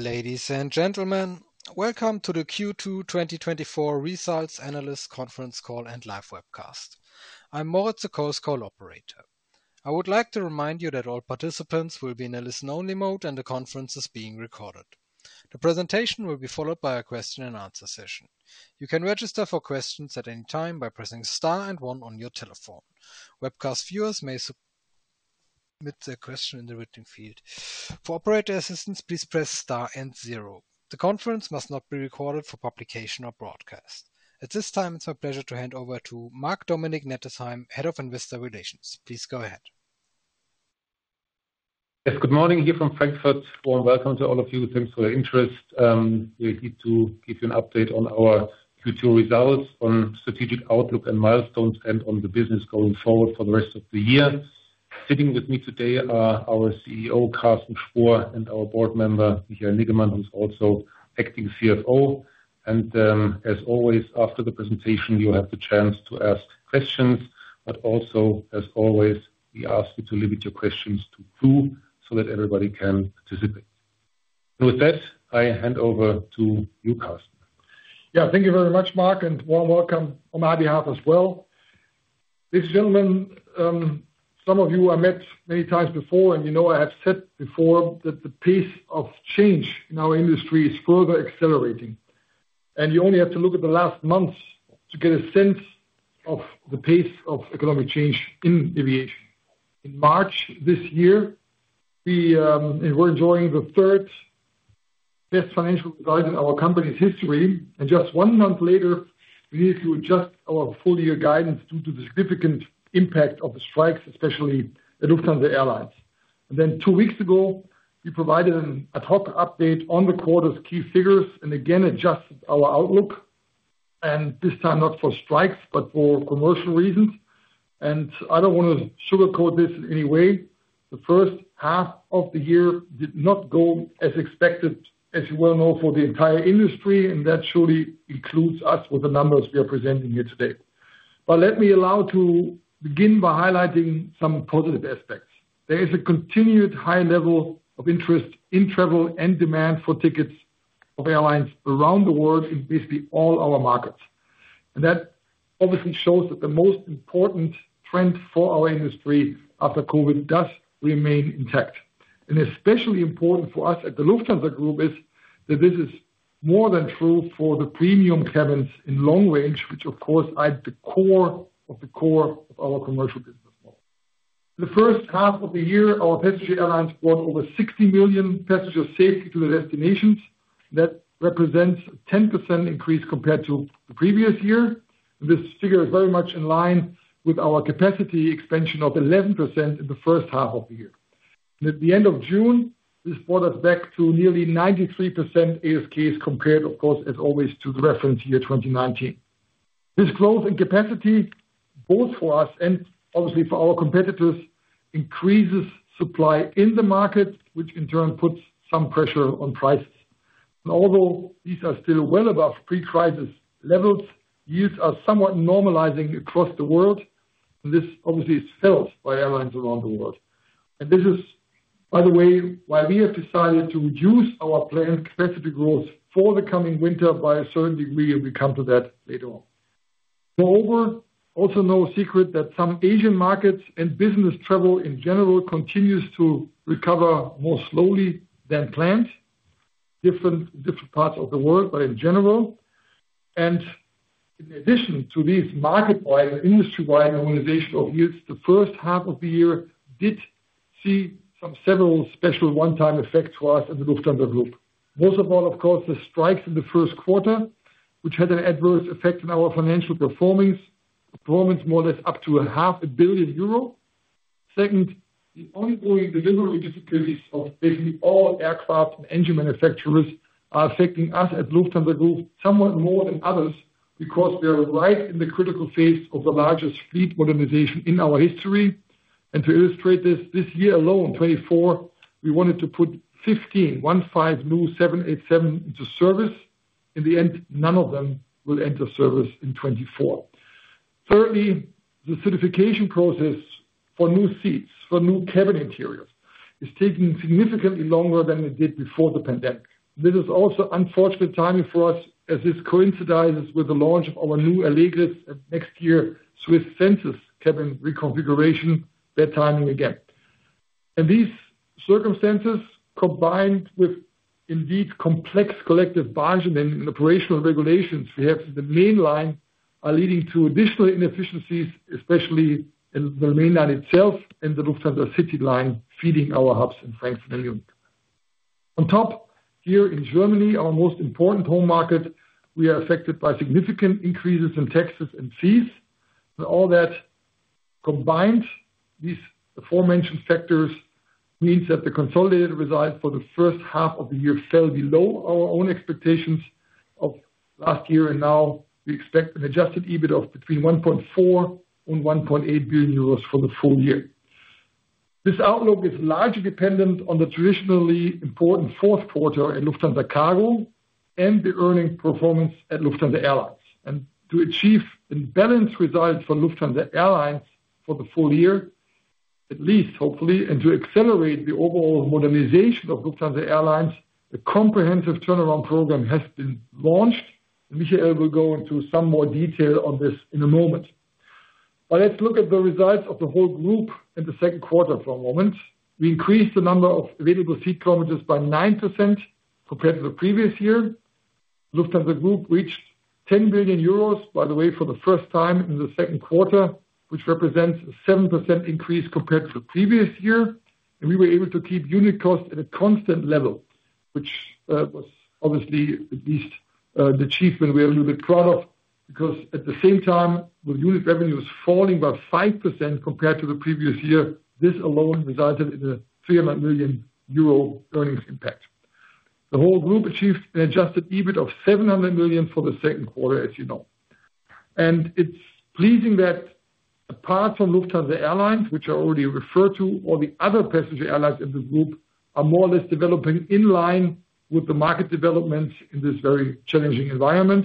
Ladies and gentlemen, welcome to the Q2 2024 Results Analyst Conference Call and Live Webcast. I'm Moritz, the call operator. I would like to remind you that all participants will be in a listen-only mode, and the conference is being recorded. The presentation will be followed by a question and answer session. You can register for questions at any time by pressing star and one on your telephone. Webcast viewers may submit their question in the written field. For operator assistance, please press star and zero. The conference must not be recorded for publication or broadcast. At this time, it's my pleasure to hand over to Marc-Dominic Nettesheim, Head of Investor Relations. Please go ahead. Yes, good morning here from Frankfurt, warm welcome to all of you. Thanks for your interest. We're here to give you an update on our Q2 results, on strategic outlook and milestones, and on the business going forward for the rest of the year. Sitting with me today are our CEO, Carsten Spohr, and our Board Member, Michael Niggemann, who's also acting CFO. As always, after the presentation, you'll have the chance to ask questions, but also, as always, we ask you to limit your questions to two, so that everybody can participate. With that, I hand over to you, Carsten. Yeah, thank you very much, Marc, and warm welcome on my behalf as well. Ladies and gentlemen, some of you I met many times before, and you know I have said before that the pace of change in our industry is further accelerating. And you only have to look at the last months to get a sense of the pace of economic change in aviation. In March this year, we, we were enjoying the third best financial result in our company's history, and just one month later, we needed to adjust our full-year guidance due to the significant impact of the strikes, especially at Lufthansa Airlines. And then two weeks ago, we provided an ad hoc update on the quarter's key figures and again, adjusted our outlook, and this time not for strikes, but for commercial reasons. And I don't want to sugarcoat this in any way. The first half of the year did not go as expected, as you well know, for the entire industry, and that surely includes us with the numbers we are presenting here today. But let me allow to begin by highlighting some positive aspects. There is a continued high level of interest in travel and demand for tickets of airlines around the world, in basically all our markets. And that obviously shows that the most important trend for our industry after COVID does remain intact. And especially important for us at the Lufthansa Group is, that this is more than true for the premium cabins in long range, which of course, are at the core of the core of our commercial business model. The first half of the year, our passenger airlines brought over 60 million passengers safely to their destinations. That represents a 10% increase compared to the previous year. This figure is very much in line with our capacity expansion of 11% in the first half of the year. At the end of June, this brought us back to nearly 93% ASK, compared, of course, as always, to the reference year, 2019. This growth in capacity, both for us and obviously for our competitors, increases supply in the market, which in turn puts some pressure on prices. Although these are still well above pre-crisis levels, yields are somewhat normalizing across the world. This obviously is felt by airlines around the world. This is, by the way, why we have decided to reduce our planned capacity growth for the coming winter by a certain degree, and we come to that later on. Moreover, also no secret that some Asian markets and business travel in general continues to recover more slowly than planned, different, different parts of the world, but in general. And in addition to these market-wide and industry-wide organizational yields, the first half of the year did see some several special one-time effects for us at the Lufthansa Group. Most of all, of course, the strikes in the first quarter, which had an adverse effect on our financial performance, performance more or less up to 500 million euro. Second, the ongoing delivery difficulties of basically all aircraft and engine manufacturers are affecting us at Lufthansa Group, somewhat more than others, because we are right in the critical phase of the largest fleet modernization in our history. And to illustrate this, this year alone, 2024, we wanted to put 15 new 787 into service. In the end, none of them will enter service in 2024. Thirdly, the certification process for new seats, for new cabin interiors, is taking significantly longer than it did before the pandemic. This is also unfortunate timing for us, as this coincides with the launch of our new Allegris and next year, SWISS Senses cabin reconfiguration, bad timing again. These circumstances, combined with indeed complex collective bargaining and operational regulations we have in the mainline, are leading to additional inefficiencies, especially in the mainline itself and the Lufthansa CityLine, feeding our hubs in Frankfurt and New York. On top, here in Germany, our most important home market, we are affected by significant increases in taxes and fees. All that combined, these aforementioned factors, means that the consolidated results for the first half of the year fell below our own expectations of last year, and now we expect an adjusted EBIT of between 1.4 billion and 1.8 billion euros for the full year. This outlook is largely dependent on the traditionally important fourth quarter at Lufthansa Cargo and the earnings performance at Lufthansa Airlines. To achieve a balanced result for Lufthansa Airlines for the full year, at least hopefully, and to accelerate the overall modernization of Lufthansa Airlines, a comprehensive turnaround program has been launched. Michael will go into some more detail on this in a moment. Let's look at the results of the whole group in the second quarter for a moment. We increased the number of available seat kilometers by 9% compared to the previous year. Lufthansa Group reached 10 billion euros, by the way, for the first time in the second quarter, which represents a 7% increase compared to the previous year, and we were able to keep unit costs at a constant level, which was obviously at least the achievement we are a little bit proud of, because at the same time, the unit revenue was falling by 5% compared to the previous year. This alone resulted in a 300 million euro earnings impact. The whole group achieved an adjusted EBIT of 700 million for the second quarter, as you know. It's pleasing that apart from Lufthansa Airlines, which I already referred to, all the other passenger airlines in the group are more or less developing in line with the market developments in this very challenging environment.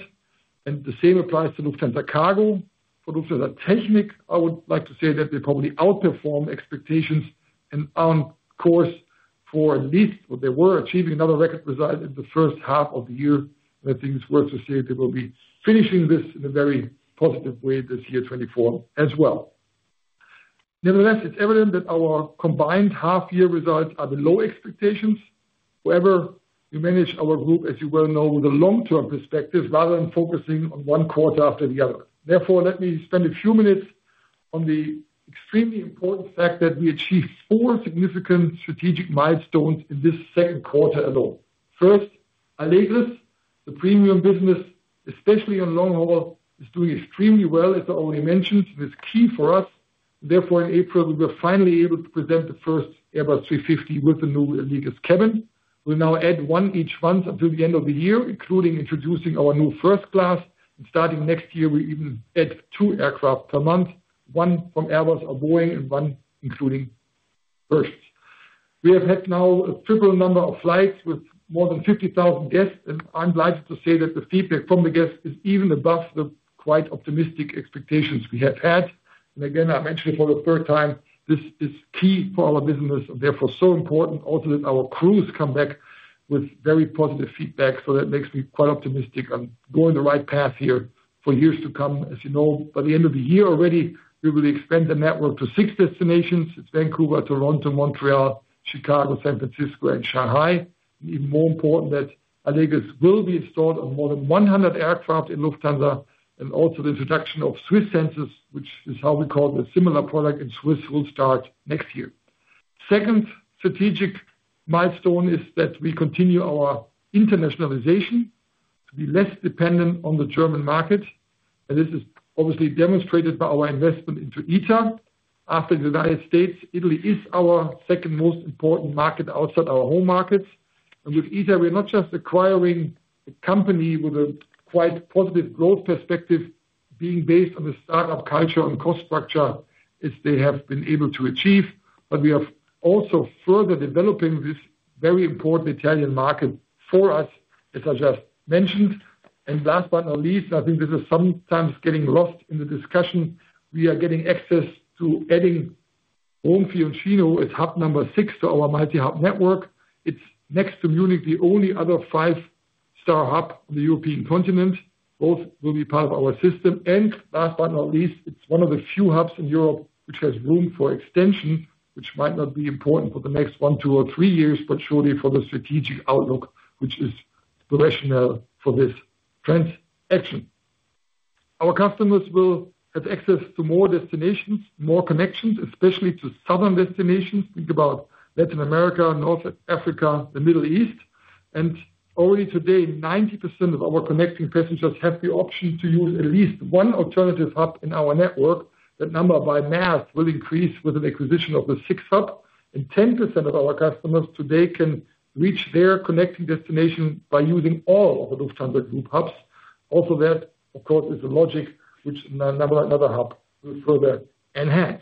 The same applies to Lufthansa Cargo. For Lufthansa Technik, I would like to say that they probably outperformed expectations and on course for at least, or they were achieving another record result in the first half of the year. I think it's worth to say they will be finishing this in a very positive way this year, 2024, as well. Nevertheless, it's evident that our combined half-year results are below expectations. However, we manage our group, as you well know, with a long-term perspective, rather than focusing on one quarter after the other. Therefore, let me spend a few minutes on the extremely important fact that we achieved four significant strategic milestones in this second quarter alone. First, Allegris, the premium business, especially on long-haul, is doing extremely well, as I already mentioned; it is key for us. Therefore, in April, we were finally able to present the first Airbus A350 with the new Allegris cabin. We'll now add one each month until the end of the year, including introducing our new first class. Starting next year, we even add two aircraft per month, one from Airbus or Boeing and one including first. We have had now a triple number of flights with more than 50,000 guests, and I'm delighted to say that the feedback from the guests is even above the quite optimistic expectations we have had. Again, I mention it for the third time, this is key for our business and therefore so important. Also, that our crews come back with very positive feedback, so that makes me quite optimistic on going the right path here for years to come. As you know, by the end of the year already, we will expand the network to six destinations: Vancouver, Toronto, Montreal, Chicago, San Francisco, and Shanghai. Even more important, that Allegris will be installed on more than 100 aircraft in Lufthansa, and also the introduction of SWISS Senses, which is how we call the similar product, and Swiss will start next year. Second strategic milestone is that we continue our internationalization to be less dependent on the German market, and this is obviously demonstrated by our investment into ITA. After the United States, Italy is our second most important market outside our home markets. With ITA, we're not just acquiring a company with a quite positive growth perspective, being based on the start-up culture and cost structure as they have been able to achieve, but we are also further developing this very important Italian market for us, as I just mentioned. And last but not least, I think this is sometimes getting lost in the discussion. We are getting access to adding Rome Fiumicino as hub number six to our mighty hub network. It's next to Munich, the only other five-star hub on the European continent. Both will be part of our system. And last but not least, it's one of the few hubs in Europe which has room for extension, which might not be important for the next one, two, or three years, but surely for the strategic outlook, which is the rationale for this transaction. Our customers will have access to more destinations, more connections, especially to southern destinations. Think about Latin America, North Africa, the Middle East, and already today, 90% of our connecting passengers have the option to use at least one alternative hub in our network. That number, by mass, will increase with an acquisition of the sixth hub, and 10% of our customers today can reach their connecting destination by using all of the Lufthansa Group hubs. Also that, of course, is a logic which another, another hub will further enhance.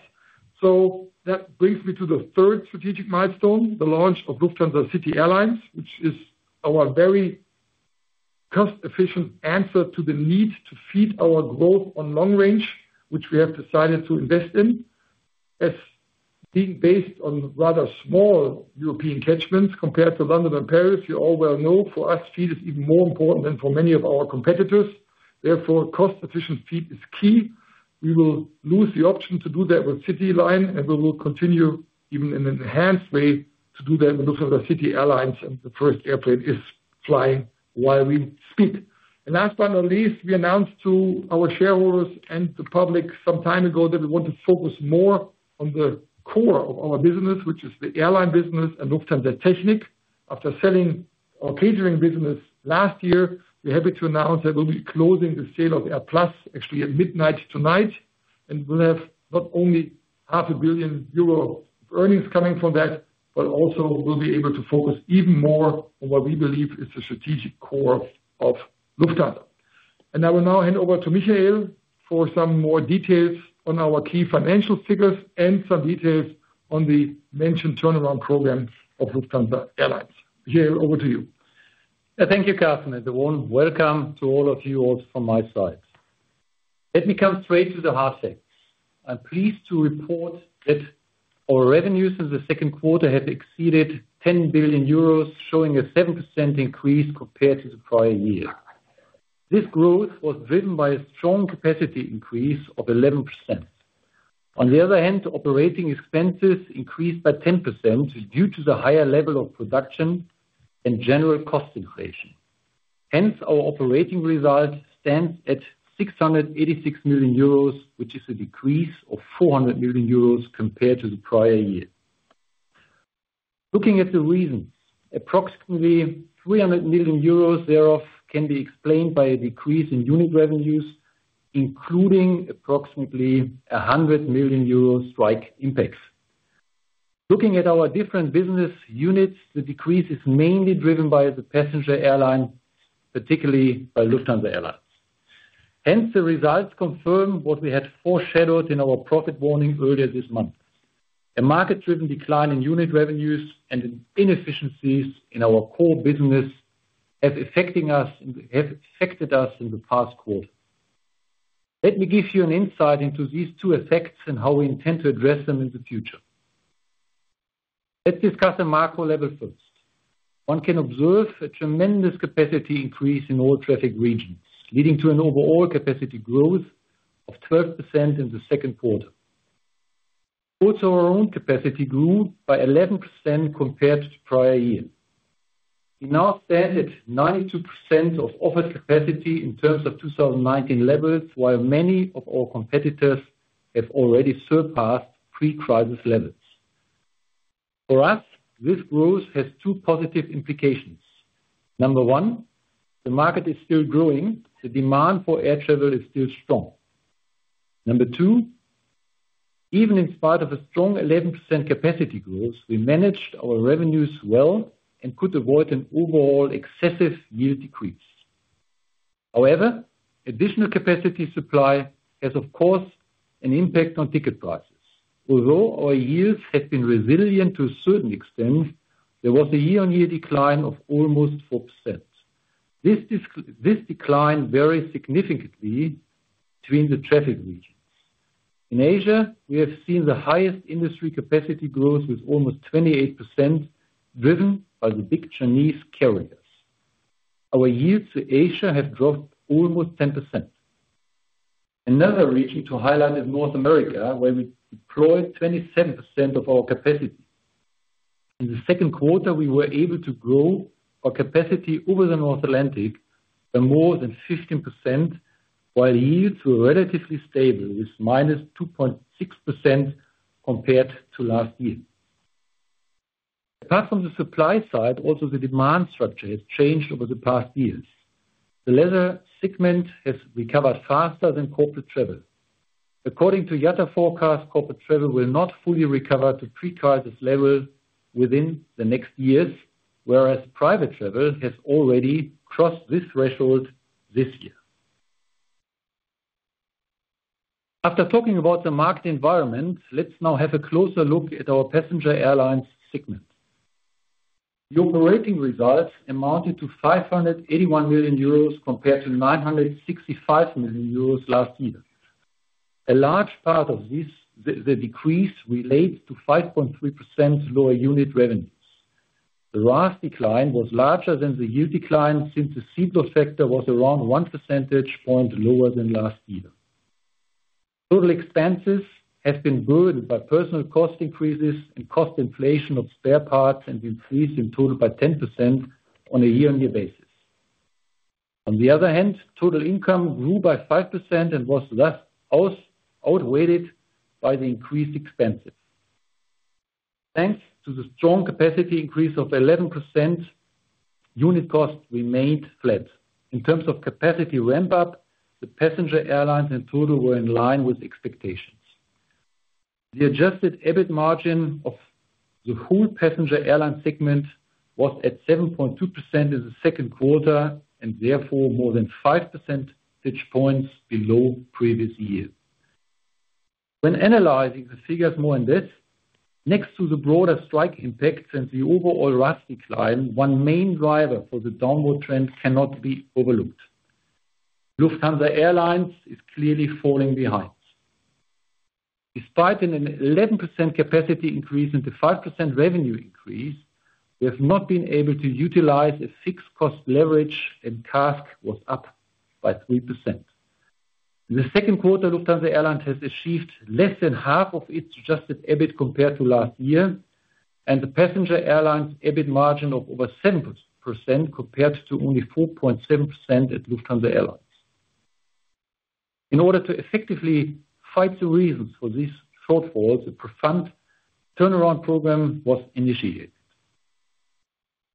So that brings me to the third strategic milestone, the launch of Lufthansa City Airlines, which is our very cost-efficient answer to the need to feed our growth on long range, which we have decided to invest in. As being based on rather small European catchments compared to London and Paris, you all well know, for us, feed is even more important than for many of our competitors. Therefore, cost-efficient feed is key. We will lose the option to do that with Lufthansa CityLine, and we will continue, even in an enhanced way, to do that with Lufthansa City Airlines, and the first airplane is flying while we speak. Last but not least, we announced to our shareholders and the public some time ago that we want to focus more on the core of our business, which is the airline business and Lufthansa Technik. After selling our catering business last year, we're happy to announce that we'll be closing the sale of AirPlus, actually at midnight tonight, and we'll have not only 500 million euro earnings coming from that, but also we'll be able to focus even more on what we believe is the strategic core of Lufthansa. I will now hand over to Michael for some more details on our key financial figures and some details on the mentioned turnaround program of Lufthansa Airlines. Michael, over to you. Thank you, Carsten, and a warm welcome to all of you also from my side. Let me come straight to the hard facts. I'm pleased to report that our revenues in the second quarter have exceeded 10 billion euros, showing a 7% increase compared to the prior year. This growth was driven by a strong capacity increase of 11%. On the other hand, operating expenses increased by 10% due to the higher level of production and general cost inflation. Hence, our operating result stands at 686 million euros, which is a decrease of 400 million euros compared to the prior year. Looking at the reason, approximately 300 million euros thereof can be explained by a decrease in unit revenues, including approximately 100 million euro strike impacts. Looking at our different business units, the decrease is mainly driven by the passenger airline, particularly by Lufthansa Airlines. Hence, the results confirm what we had foreshadowed in our profit warning earlier this month. A market-driven decline in unit revenues and inefficiencies in our core business have affecting us, have affected us in the past quarter. Let me give you an insight into these two effects and how we intend to address them in the future. Let's discuss the macro level first. One can observe a tremendous capacity increase in all traffic regions, leading to an overall capacity growth of 12% in the second quarter. Also, our own capacity grew by 11% compared to the prior year. We now stand at 92% of offered capacity in terms of 2019 levels, while many of our competitors have already surpassed pre-crisis levels. For us, this growth has two positive implications. Number one, the market is still growing. The demand for air travel is still strong. Number two, even in spite of a strong 11% capacity growth, we managed our revenues well and could avoid an overall excessive yield decrease. However, additional capacity supply has, of course, an impact on ticket prices. Although our yields have been resilient to a certain extent, there was a year-on-year decline of almost 4%. This decline varies significantly between the traffic regions. In Asia, we have seen the highest industry capacity growth with almost 28%, driven by the big Chinese carriers. Our yields to Asia have dropped almost 10%. Another region to highlight is North America, where we deployed 27% of our capacity. In the second quarter, we were able to grow our capacity over the North Atlantic by more than 15%, while yields were relatively stable, with -2.6% compared to last year. Apart from the supply side, also the demand structure has changed over the past years. The leisure segment has recovered faster than corporate travel. According to IATA forecast, corporate travel will not fully recover to pre-crisis levels within the next years, whereas private travel has already crossed this threshold this year. After talking about the market environment, let's now have a closer look at our passenger airlines segment. The operating results amounted to 581 million euros compared to 965 million euros last year. A large part of this decrease relates to 5.3% lower unit revenues. The RASK decline was larger than the yield decline, since the seat load factor was around 1 percentage point lower than last year. Total expenses have been growing by personnel cost increases and cost inflation of spare parts, and increased in total by 10% on a year-over-year basis. On the other hand, total income grew by 5% and was thus outweighed by the increased expenses. Thanks to the strong capacity increase of 11%, unit costs remained flat. In terms of capacity ramp up, the passenger airlines in total were in line with expectations. The adjusted EBIT margin of the whole passenger airline segment was at 7.2% in the second quarter, and therefore more than 5 percentage points below previous year. When analyzing the figures more in this, next to the broader strike impact and the overall RASK decline, one main driver for the downward trend cannot be overlooked. Lufthansa Airlines is clearly falling behind. Despite an 11% capacity increase and a 5% revenue increase, we have not been able to utilize a fixed cost leverage, and CASK was up by 3%. In the second quarter, Lufthansa Airlines has achieved less than half of its adjusted EBIT compared to last year, and the passenger airlines EBIT margin of over 7%, compared to only 4.7% at Lufthansa Airlines. In order to effectively fight the reasons for this shortfall, the profound turnaround program was initiated.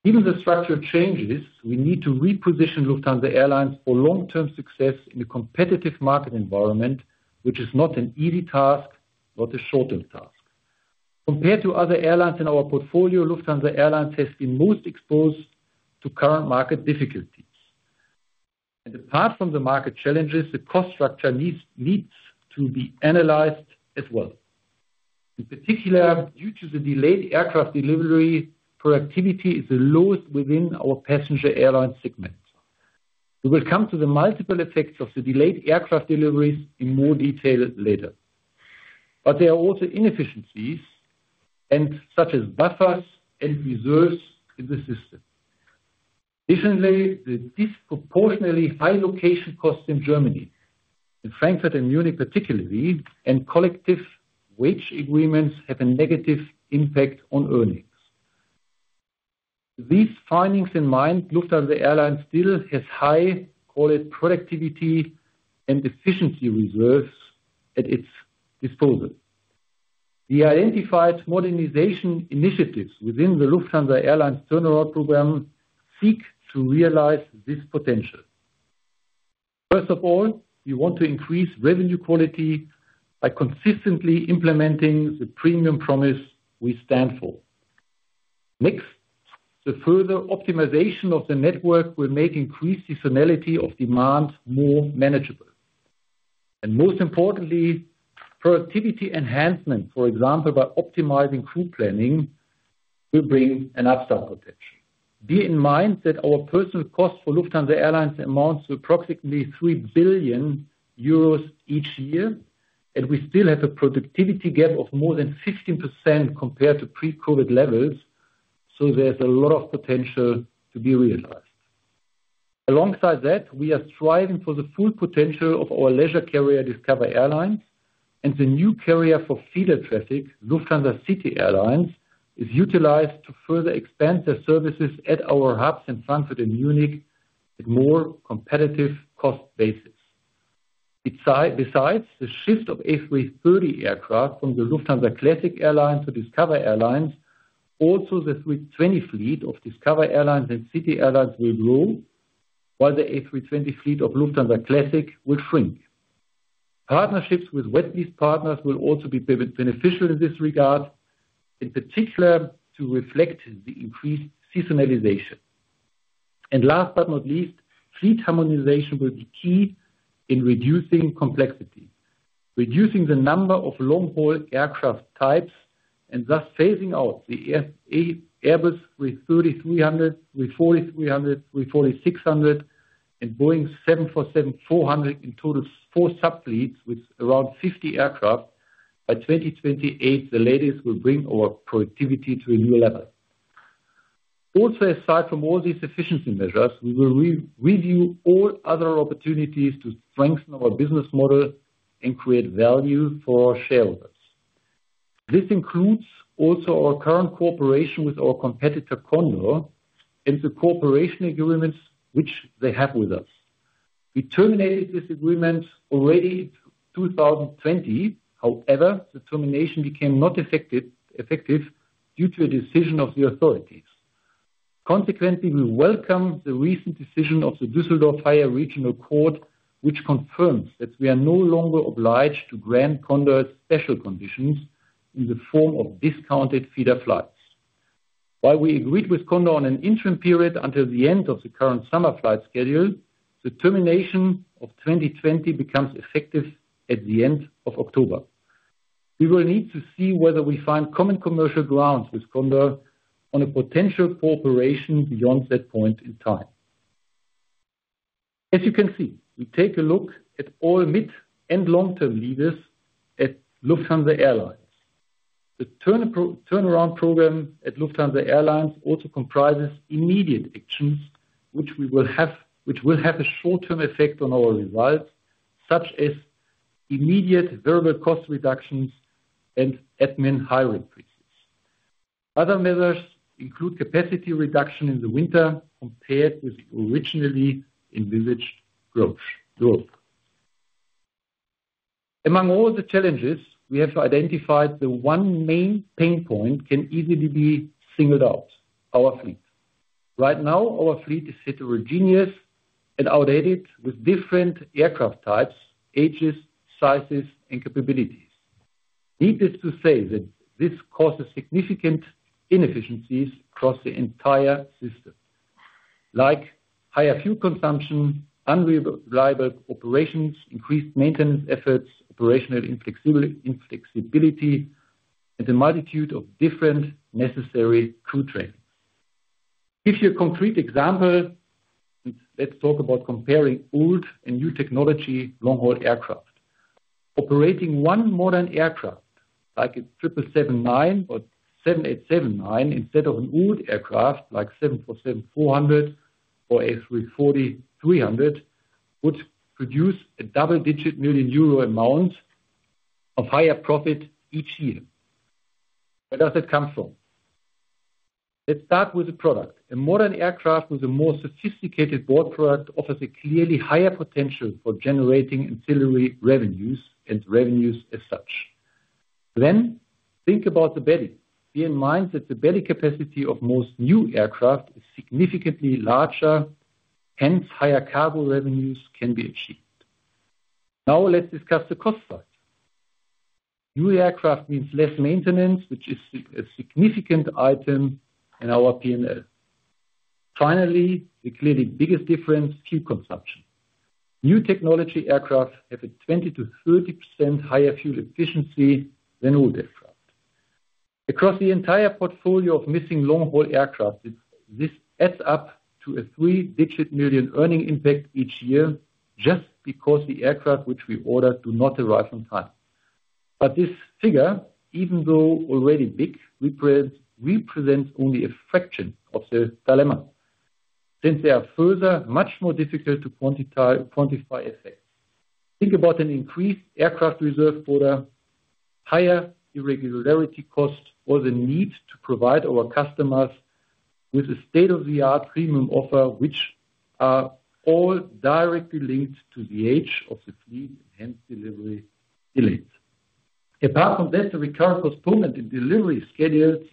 Given the structural changes, we need to reposition Lufthansa Airlines for long-term success in a competitive market environment, which is not an easy task, not a short-term task. Compared to other airlines in our portfolio, Lufthansa Airlines has been most exposed to current market difficulties. Apart from the market challenges, the cost structure needs to be analyzed as well. In particular, due to the delayed aircraft delivery, productivity is the lowest within our passenger airline segment. We will come to the multiple effects of the delayed aircraft deliveries in more detail later. There are also inefficiencies, such as buffers and reserves in the system. Additionally, the disproportionately high location costs in Germany, in Frankfurt and Munich particularly, and collective wage agreements have a negative impact on earnings. These findings in mind, Lufthansa Airlines still has high quality productivity and efficiency reserves at its disposal. The identified modernization initiatives within the Lufthansa Airlines turnaround program seek to realize this potential. First of all, we want to increase revenue quality by consistently implementing the premium promise we stand for. Next, the further optimization of the network will make increased seasonality of demand more manageable. And most importantly, productivity enhancement, for example, by optimizing crew planning, will bring an upside potential. Bear in mind that our personnel cost for Lufthansa Airlines amounts to approximately 3 billion euros each year, and we still have a productivity gap of more than 15% compared to pre-COVID levels, so there's a lot of potential to be realized. Alongside that, we are striving for the full potential of our leisure carrier, Discover Airlines, and the new carrier for feeder traffic, Lufthansa City Airlines, is utilized to further expand the services at our hubs in Frankfurt and Munich with more competitive cost basis. Besides the shift of A330 aircraft from the Lufthansa Airlines to Discover Airlines, also the A320 fleet of Discover Airlines and City Airlines will grow, while the A320 fleet of Lufthansa Airlines will shrink. Partnerships with wet lease partners will also be beneficial in this regard, in particular, to reflect the increased seasonalization. Last but not least, fleet harmonization will be key in reducing complexity. Reducing the number of long-haul aircraft types, and thus phasing out the Airbus A330-300, A340-300, A340-600, and Boeing 747-400 in total four sub fleets with around 50 aircraft. By 2028, at the latest, will bring our productivity to a new level. Also, aside from all these efficiency measures, we will review all other opportunities to strengthen our business model and create value for our shareholders. This includes also our current cooperation with our competitor, Condor, and the cooperation agreements which they have with us. We terminated this agreement already in 2020, however, the termination did not become effective due to a decision of the authorities. Consequently, we welcome the recent decision of the Düsseldorf Higher Regional Court, which confirms that we are no longer obliged to grant Condor special conditions in the form of discounted feeder flights. While we agreed with Condor on an interim period until the end of the current summer flight schedule, the termination of 2020 becomes effective at the end of October. We will need to see whether we find common commercial grounds with Condor on a potential cooperation beyond that point in time. As you can see, we take a look at all mid- and long-term leaders at Lufthansa Airlines. The turnaround program at Lufthansa Airlines also comprises immediate actions, which will have a short-term effect on our results, such as immediate variable cost reductions and admin hire freezes. Other measures include capacity reduction in the winter, compared with originally envisaged growth. Among all the challenges we have identified, the one main pain point can easily be singled out, our fleet. Right now, our fleet is heterogeneous and outdated, with different aircraft types, ages, sizes, and capabilities. Needless to say, that this causes significant inefficiencies across the entire system, like higher fuel consumption, unreliable operations, increased maintenance efforts, operational inflexibility, and a multitude of different necessary crew trainings. Give you a concrete example, let's talk about comparing old and new technology long-haul aircraft. Operating one modern aircraft, like a 777-9 or 787-9, instead of an old aircraft, like 747-400 or A340-300, would produce a double-digit million EUR amount of higher profit each year. Where does it come from? Let's start with the product. A modern aircraft with a more sophisticated onboard product offers a clearly higher potential for generating ancillary revenues and revenues as such. Think about the belly. Bear in mind that the belly capacity of most new aircraft is significantly larger, hence higher cargo revenues can be achieved. Now, let's discuss the cost side. New aircraft means less maintenance, which is a significant item in our P&L. Finally, the clearly biggest difference, fuel consumption. New technology aircraft have a 20%-30% higher fuel efficiency than old aircraft. Across the entire portfolio of missing long-haul aircraft, this adds up to a three-digit million EUR earning impact each year just because the aircraft which we ordered do not arrive on time. But this figure, even though already big, represents only a fraction of the dilemma, since there are further, much more difficult to quantify effects. Think about an increased aircraft reserve buffer, higher irregularity costs, or the need to provide our customers with a state-of-the-art premium offer, which are all directly linked to the age of the fleet and delivery delays. Apart from that, the recurrent postponement in delivery schedules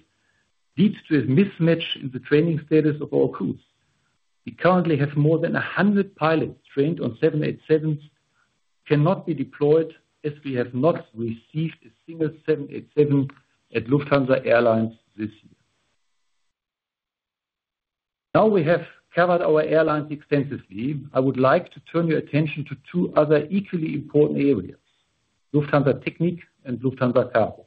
leads to a mismatch in the training status of our crews. We currently have more than 100 pilots trained on 787s, cannot be deployed as we have not received a single 787 at Lufthansa Airlines this year. Now we have covered our airlines extensively, I would like to turn your attention to two other equally important areas, Lufthansa Technik and Lufthansa Cargo.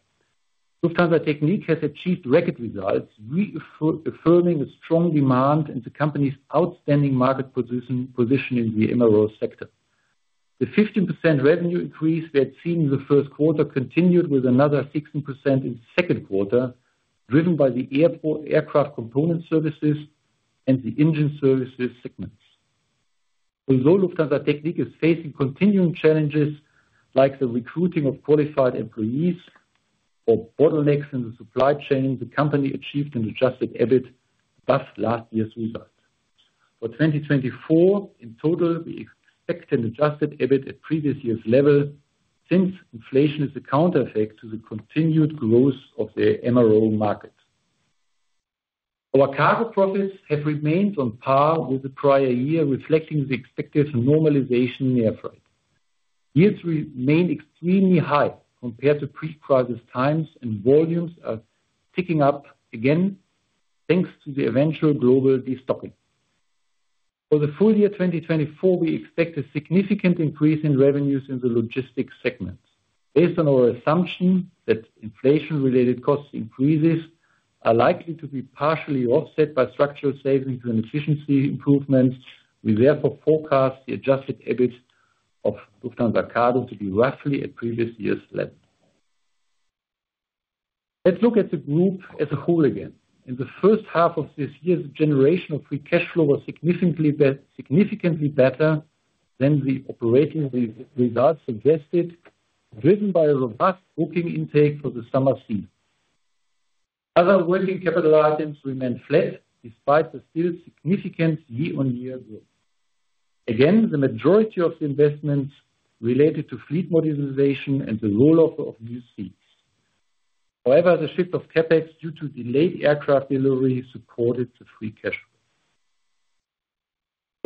Lufthansa Technik has achieved record results, reaffirming the strong demand and the company's outstanding market position, positioning in the MRO sector. The 15% revenue increase we had seen in the first quarter continued with another 16% in the second quarter, driven by the airport aircraft component services and the engine services segments. Although Lufthansa Technik is facing continuing challenges like the recruiting of qualified employees or bottlenecks in the supply chain, the company achieved an Adjusted EBIT, but last year's results. For 2024, in total, we expect an Adjusted EBIT at previous year's level, since inflation is a counter effect to the continued growth of the MRO market. Our cargo profits have remained on par with the prior year, reflecting the expected normalization in air freight. Yields remain extremely high compared to pre-crisis times, and volumes are ticking up again, thanks to the eventual global destocking. For the full year 2024, we expect a significant increase in revenues in the logistics segment. Based on our assumption that inflation-related cost increases are likely to be partially offset by structural savings and efficiency improvements, we therefore forecast the adjusted EBIT of Lufthansa Cargo to be roughly at previous year's level. Let's look at the group as a whole again. In the first half of this year, the generation of free cash flow was significantly better than the operating results suggested, driven by a robust booking intake for the summer season. Other working capital items remained flat, despite the still significant year-on-year growth. Again, the majority of the investments related to fleet modernization and the roll-off of new seats. However, the shift of CapEx due to delayed aircraft delivery supported the free cash flow.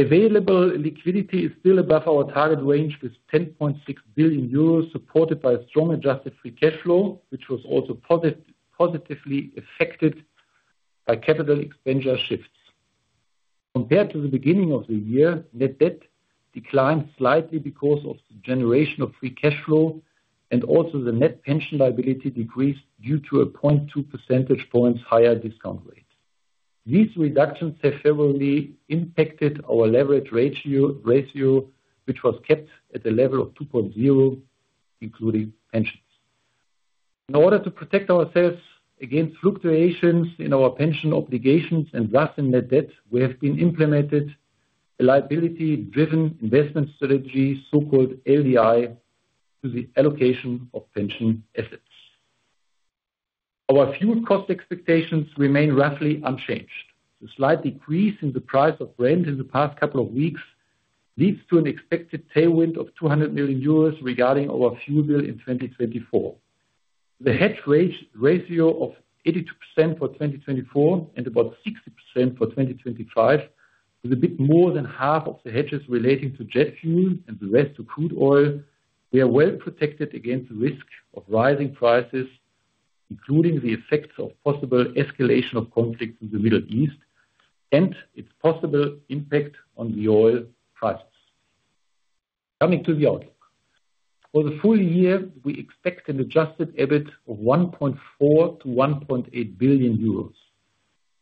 Available liquidity is still above our target range, with 10.6 billion euros, supported by a strong adjusted free cash flow, which was also positively affected by capital expenditure shifts. Compared to the beginning of the year, net debt declined slightly because of the generation of free cash flow, and also the net pension liability decreased due to a 0.2 percentage points higher discount rate. These reductions have favorably impacted our leverage ratio, which was kept at a level of 2.0, including pensions. In order to protect ourselves against fluctuations in our pension obligations and thus in net debt, we have implemented a liability-driven investment strategy, so-called LDI, to the allocation of pension assets. Our fuel cost expectations remain roughly unchanged. The slight decrease in the price of Brent in the past couple of weeks leads to an expected tailwind of 200 million euros regarding our fuel bill in 2024. The hedge rate ratio of 82% for 2024 and about 60% for 2025, with a bit more than half of the hedges relating to jet fuel and the rest to crude oil, we are well protected against the risk of rising prices, including the effects of possible escalation of conflict in the Middle East and its possible impact on the oil prices. Coming to the outlook. For the full year, we expect an Adjusted EBIT of 1.4 billion-1.8 billion euros.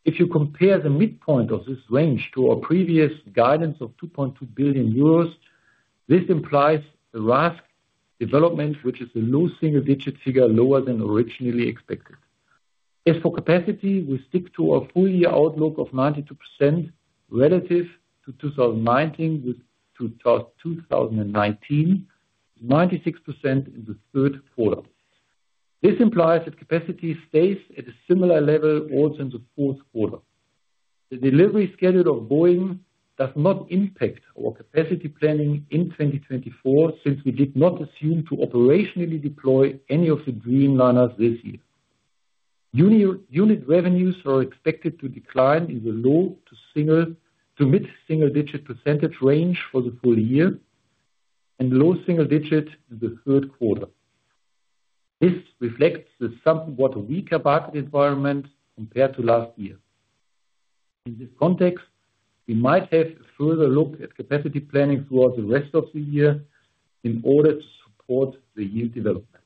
If you compare the midpoint of this range to our previous guidance of 2.2 billion euros, this implies a RASK development, which is a low single-digit figure, lower than originally expected. As for capacity, we stick to our full year outlook of 92% relative to 2019, with 96% to 2019 in the third quarter. This implies that capacity stays at a similar level also in the fourth quarter. The delivery schedule of Boeing does not impact our capacity planning in 2024, since we did not assume to operationally deploy any of the Dreamliners this year. Unit revenues are expected to decline in the low- to mid-single-digit percentage range for the full year, and low single-digit in the third quarter. This reflects the somewhat weaker market environment compared to last year. In this context, we might have a further look at capacity planning throughout the rest of the year in order to support the yield development.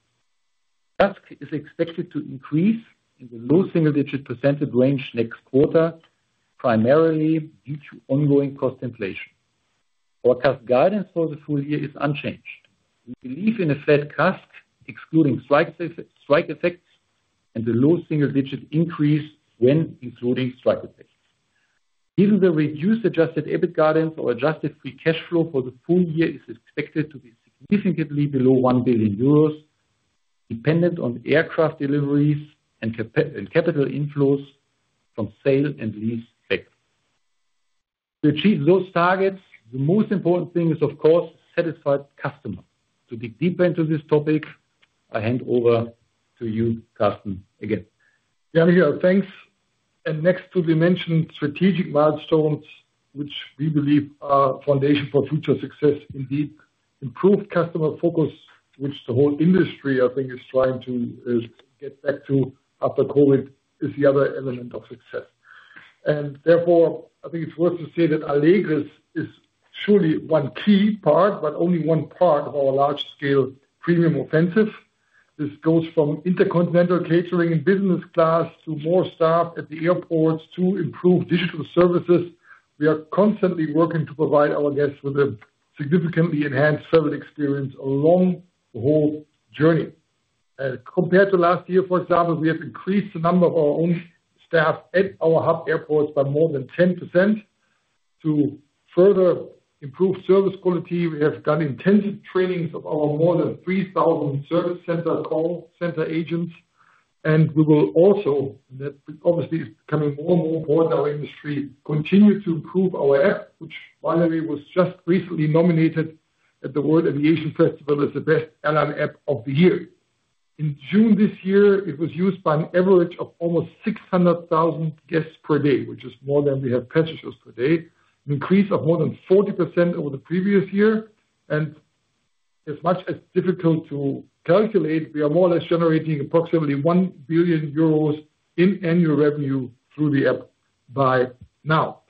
CASK is expected to increase in the low single-digit percentage range next quarter, primarily due to ongoing cost inflation. Our CASK guidance for the full year is unchanged. We believe in a flat CASK, excluding strike effects, and the low single-digit increase when including strike effects. Given the reduced adjusted EBIT guidance, our adjusted free cash flow for the full year is expected to be significantly below 1 billion euros, dependent on aircraft deliveries and CapEx and capital inflows from sale and leaseback. To achieve those targets, the most important thing is, of course, satisfied customers. To dig deeper into this topic, I hand over to you, Carsten, again. Yeah, Michael, thanks. Next to the mentioned strategic milestones, which we believe are foundation for future success, indeed, improved customer focus, which the whole industry, I think, is trying to get back to after COVID, is the other element of success. And therefore, I think it's worth to say that Allegris is truly one key part, but only one part of our large-scale premium offensive. This goes from intercontinental catering and business class, to more staff at the airports, to improved digital services. We are constantly working to provide our guests with a significantly enhanced travel experience along the whole journey. Compared to last year, for example, we have increased the number of our own staff at our hub airports by more than 10%. To further improve service quality, we have done intensive trainings of our more than 3,000 service center, call center agents, and we will also, and that obviously is becoming more and more important in our industry, continue to improve our app, which by the way, was just recently nominated at the World Aviation Festival as the Best Airline App of the Year. In June this year, it was used by an average of almost 600,000 guests per day, which is more than we have passengers per day, an increase of more than 40% over the previous year. And as much as difficult to calculate, we are more or less generating approximately 1 billion euros in annual revenue through the app by now.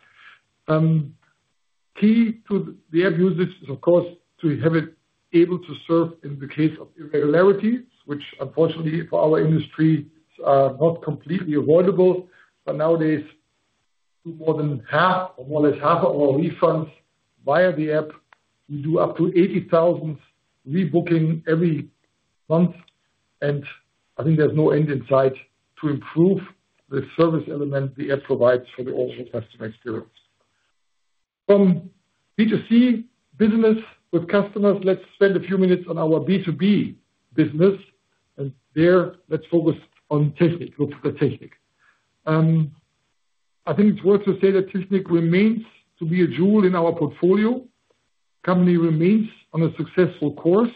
Key to the app usage is, of course, to have it able to serve in the case of irregularities, which unfortunately for our industry, are not completely avoidable. But nowadays, we do more than half, or more or less half of our refunds via the app. We do up to 80,000 rebooking every month, and I think there's no end in sight to improve the service element the app provides for the overall customer experience. From B2C business with customers, let's spend a few minutes on our B2B business, and there, let's focus on Technik, Lufthansa Technik. I think it's worth to say that Technik remains to be a jewel in our portfolio. Company remains on a successful course,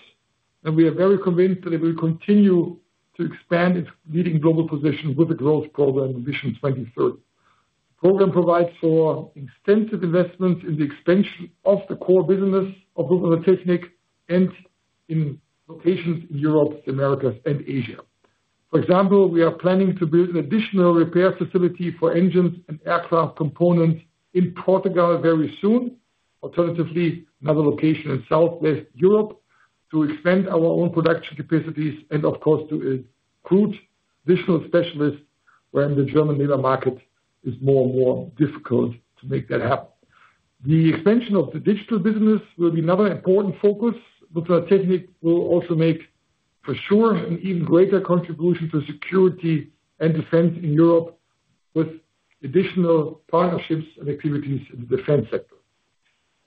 and we are very convinced that it will continue to expand its leading global position with the growth program, Vision 2030. program provides for extensive investments in the expansion of the core business of Lufthansa Technik and in locations in Europe, America, and Asia. For example, we are planning to build an additional repair facility for engines and aircraft components in Portugal very soon. Alternatively, another location in Southwest Europe to expand our own production capacities and, of course, to recruit additional specialists when the German labor market is more and more difficult to make that happen. The expansion of the digital business will be another important focus. Lufthansa Technik will also make for sure an even greater contribution to security and defense in Europe, with additional partnerships and activities in the defense sector.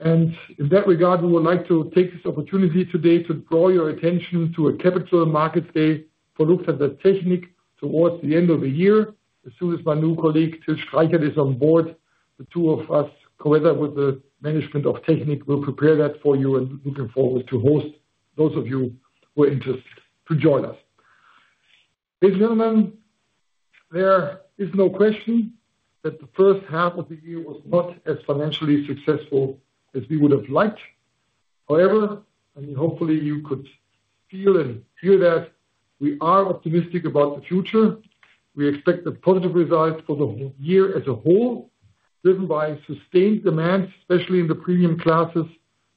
In that regard, we would like to take this opportunity today to draw your attention to a capital market day for Lufthansa Technik towards the end of the year. As soon as my new colleague, Till Streichert, is on board, the two of us, together with the management of Technik, will prepare that for you, and looking forward to host those of you who are interested to join us. Ladies and gentlemen, there is no question that the first half of the year was not as financially successful as we would have liked. However, and hopefully, you could feel and hear that we are optimistic about the future. We expect a positive result for the whole year as a whole, driven by sustained demand, especially in the premium classes,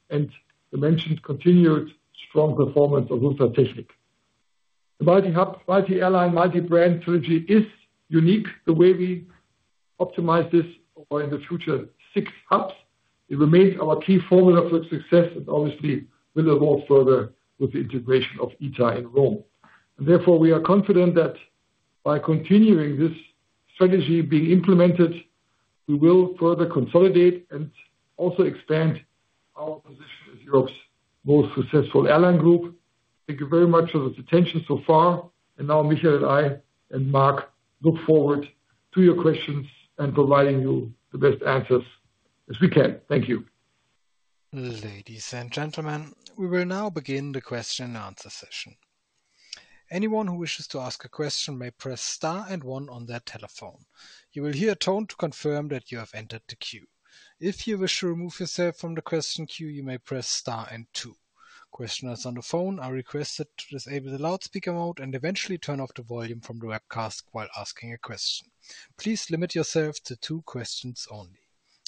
and the mentioned continued strong performance of Lufthansa Technik. The mighty hub, mighty airline, mighty brand strategy is unique the way we optimize this for in the future six hubs. It remains our key formula for success and obviously will evolve further with the integration of ITA in Rome. And therefore, we are confident that by continuing this strategy being implemented, we will further consolidate and also expand our position as Europe's most successful airline group. Thank you very much for this attention so far. And now Michael and I, and Marc, look forward to your questions and providing you the best answers as we can. Thank you. Ladies and gentlemen, we will now begin the question and answer session. Anyone who wishes to ask a question may press star and one on their telephone. You will hear a tone to confirm that you have entered the queue. If you wish to remove yourself from the question queue, you may press star and two. Questioners on the phone are requested to disable the loudspeaker mode and eventually turn off the volume from the webcast while asking a question. Please limit yourself to two questions only.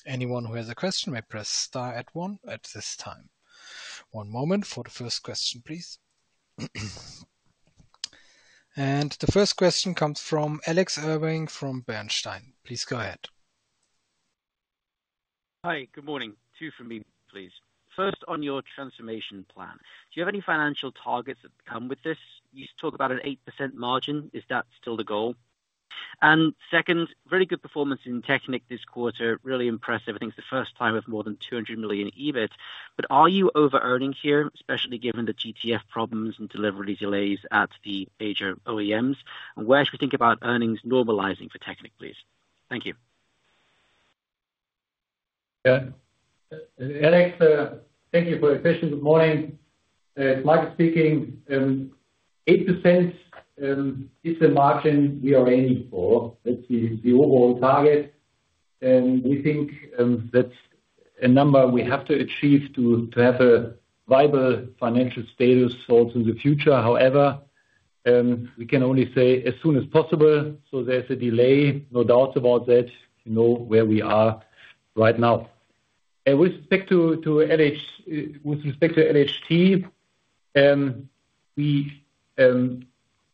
Anyone who has a question may press star one at this time. One moment for the first question, please. The first question comes from Alex Irving from Bernstein. Please go ahead. Hi, good morning. Two from me, please. First, on your transformation plan, do you have any financial targets that come with this? You talk about an 8% margin. Is that still the goal? And second, very good performance in Technik this quarter. Really impressive. I think it's the first time with more than 200 million EBIT. But are you overearning here, especially given the GTF problems and delivery delays at the major OEMs? And where should we think about earnings normalizing for Technik, please? Thank you. Yeah. Alex, thank you for your question. Good morning. Michael speaking. 8% is the margin we are aiming for. That's the overall target, and we think that's a number we have to achieve to have a viable financial status also in the future. However, we can only say as soon as possible, so there's a delay, no doubt about that, you know, where we are right now. And with respect to LH, with respect to LHT, we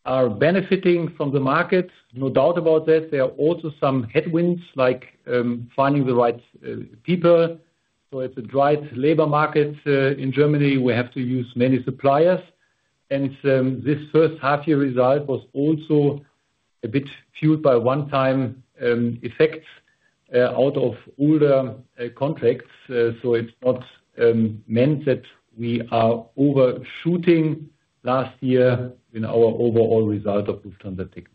are benefiting from the market, no doubt about that. There are also some headwinds, like finding the right people. So it's a dry labor market in Germany. We have to use many suppliers. And this first half year result was also a bit fueled by one-time effects out of older contracts. It's not meant that we are overshooting last year in our overall result of Lufthansa Technik.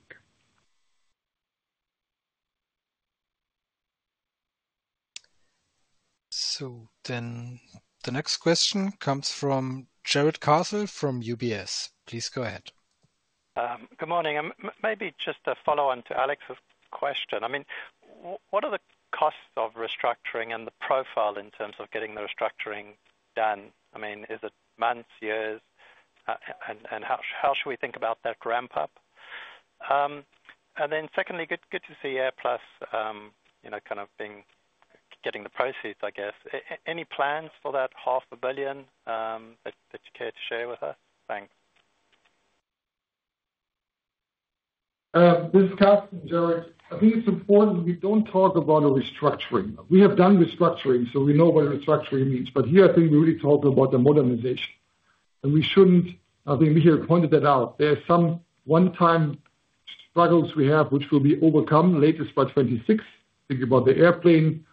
The next question comes from Jared Castle from UBS. Please go ahead. Good morning. Maybe just a follow-on to Alex's question. I mean, what are the costs of restructuring and the profile in terms of getting the restructuring done? I mean, is it months, years? And how should we think about that ramp up? And then secondly, good to see AirPlus, you know, kind of being, getting the proceeds, I guess. Any plans for that 500 million that you care to share with us? Thanks. This is Carsten, Jared. I think it's important we don't talk about a restructuring. We have done restructuring, so we know what restructuring means, but here, I think we really talk about the modernization. And we shouldn't, I think Michael pointed that out. There are some one-time struggles we have, which will be overcome latest by 2026. Think about the airplane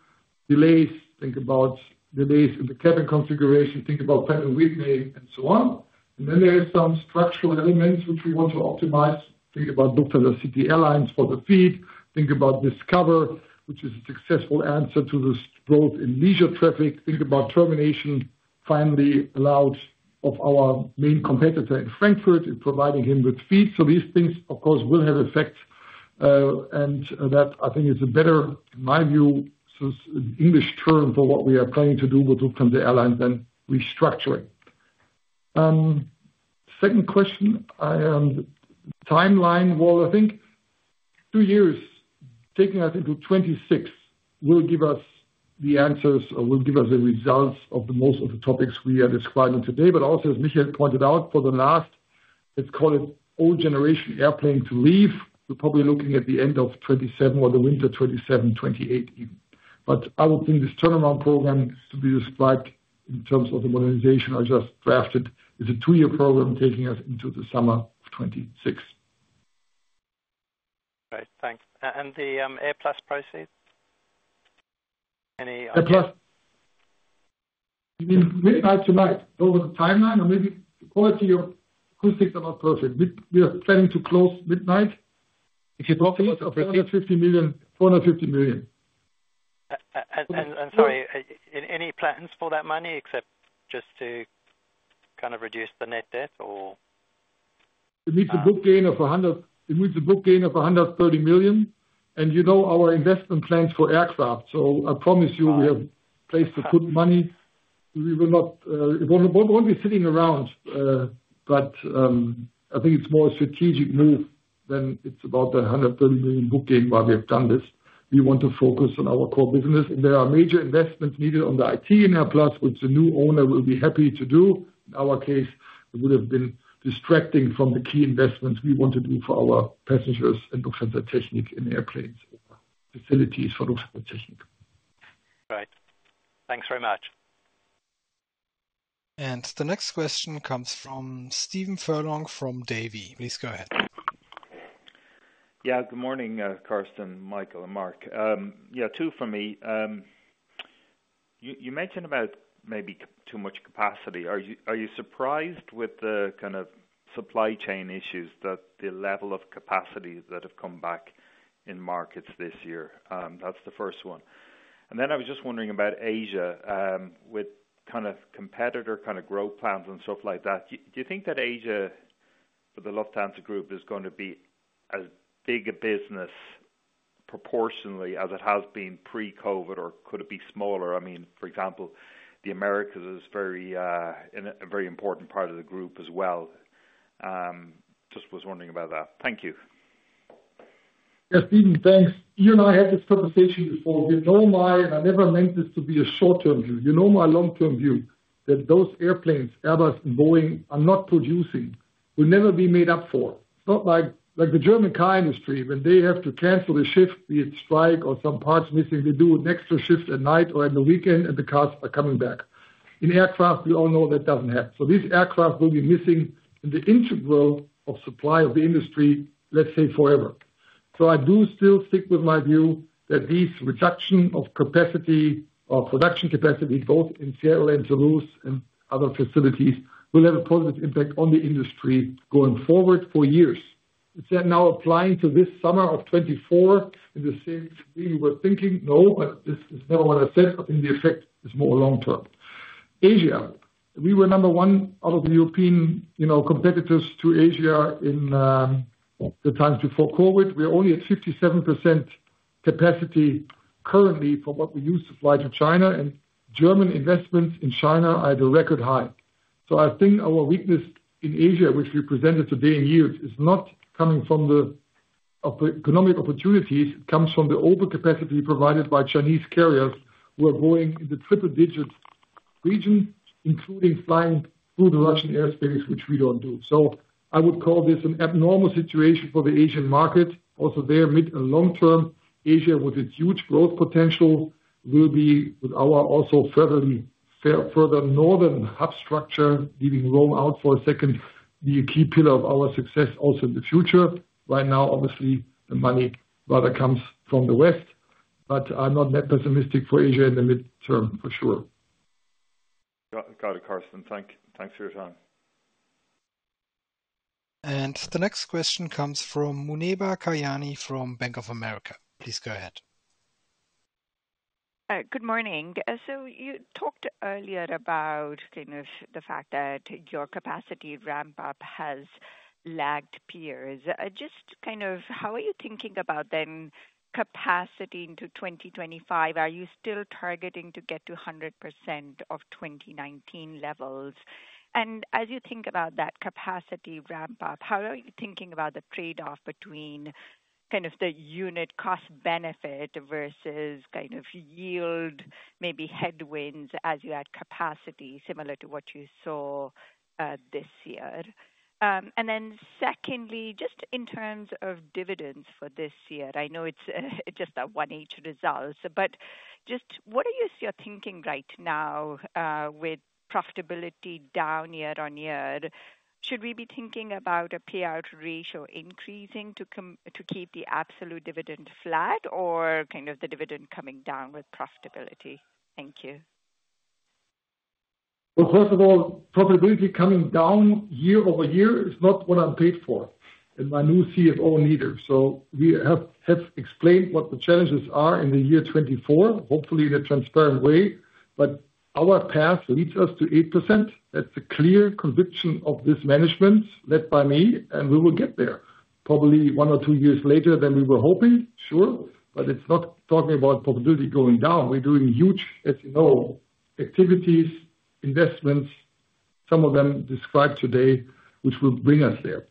delays, think about delays in the cabin configuration, think about planning delays and so on. And then there are some structural elements which we want to optimize. Think about Lufthansa City Airlines for the feed, think about Discover, which is a successful answer to this growth in leisure traffic. Think about termination, finally, allowed of our main competitor in Frankfurt in providing him with feed. So these things, of course, will have effect, and that, I think, is a better, in my view, some English term for what we are planning to do with Lufthansa Airlines than restructuring. Second question, timeline, well, I think two years, taking us into 2026, will give us the answers, or will give us the results of most of the topics we are describing today. But also, as Michael pointed out, for the last, let's call it old generation airplane to leave, we're probably looking at the end of 2027 or the winter 2027-2028 even. But I would think this turnaround program to be despite in terms of the modernization I just drafted, is a two-year program taking us into the summer of 2026. Great, thanks. And the AirPlus proceed? Any idea. AirPlus. Midnight tonight, over the timeline, and maybe the quality of acoustics are not perfect. We are planning to close midnight. If you talk about 450 million, 450 million. And sorry, any plans for that money, except just to kind of reduce the net debt or? We need a book gain of 130 million, and you know our investment plans for aircraft, so I promise you we have a place to put money. We will not, it won't be sitting around, but I think it's more a strategic move than it's about the 130 million book gain, why we have done this. We want to focus on our core business. There are major investments needed on the IT in AirPlus, which the new owner will be happy to do. In our case, it would have been distracting from the key investments we want to do for our passengers in Lufthansa Technik and airplanes, or facilities for Lufthansa Technik. Great. Thanks very much. The next question comes from Stephen Furlong from Davy. Please go ahead. Yeah, good morning, Carsten, Michael, and Mark. Yeah, two for me. You mentioned about maybe too much capacity. Are you surprised with the kind of supply chain issues that the level of capacities that have come back in markets this year? That's the first one. And then I was just wondering about Asia, with kind of competitor, kind of growth plans and stuff like that. Do you think that Asia, for the Lufthansa Group, is going to be as big a business proportionally as it has been pre-COVID, or could it be smaller? I mean, for example, the Americas is very a very important part of the group as well. Just was wondering about that. Thank you. Yes, Stephen, thanks. You and I had this conversation before. You know my— I never meant this to be a short-term view. You know my long-term view, that those airplanes, Airbus and Boeing, are not producing, will never be made up for. It's not like, like the German car industry, when they have to cancel a shift, be it strike or some parts missing, they do an extra shift at night or in the weekend, and the cars are coming back. In aircraft, we all know that doesn't happen. So these aircraft will be missing in the entirety of supply of the industry, let's say, forever. So I do still stick with my view that this reduction of capacity, of production capacity, both in Seattle and Toulouse and other facilities, will have a positive impact on the industry going forward for years. Is that now applying to this summer of 2024 in the same way we were thinking? No, but this is never what I said, but I think the effect is more long term. Asia, we were number one out of the European, you know, competitors to Asia in the times before COVID. We're only at 57% capacity currently from what we used to fly to China, and German investments in China are at a record high. So I think our weakness in Asia, which we presented today in yields, is not coming from the economic opportunities, it comes from the overcapacity provided by Chinese carriers who are going in the triple digits region, including flying through the Russian airspace, which we don't do. So I would call this an abnormal situation for the Asian market. Also, there, mid- and long-term, Asia, with its huge growth potential, will be, with our also further northern hub structure, leaving Rome out for a second, the key pillar of our success also in the future. Right now, obviously, the money rather comes from the West, but I'm not that pessimistic for Asia in the mid-term, for sure. Got it, Carsten. Thanks for your time. The next question comes from Muneeba Kayani from Bank of America. Please go ahead. Good morning. So you talked earlier about kind of the fact that your capacity ramp-up has lagged peers. Just kind of how are you thinking about then capacity into 2025? Are you still targeting to get to 100% of 2019 levels? And as you think about that capacity ramp-up, how are you thinking about the trade-off between kind of the unit cost benefit versus kind of yield, maybe headwinds as you add capacity, similar to what you saw this year? And then secondly, just in terms of dividends for this year, I know it's just a Q1 results, but just what is your thinking right now with profitability down year-on-year? Should we be thinking about a payout ratio increasing to keep the absolute dividend flat or kind of the dividend coming down with profitability? Thank you. Well, first of all, profitability coming down year over year is not what I'm paid for, and my new CFO neither. So we have, have explained what the challenges are in the year 2024, hopefully in a transparent way, but our path leads us to 8%. That's a clear conviction of this management, led by me, and we will get there. Probably one or two years later than we were hoping, sure, but it's not talking about profitability going down. We're doing huge, as you know, activities, investments, some of them described today, which will bring us there.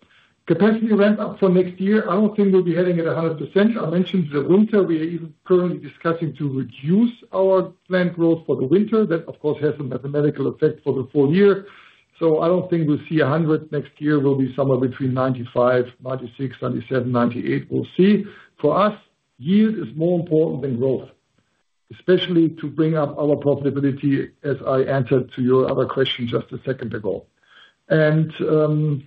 Capacity ramp up for next year, I don't think we'll be heading at a 100%. I mentioned the winter, we are even currently discussing to reduce our planned growth for the winter. That, of course, has a mathematical effect for the full year. So I don't think we'll see 100. Next year will be somewhere between 95, 96, 97, 98. We'll see. For us, yield is more important than growth, especially to bring up our profitability, as I answered to your other question just a second ago. And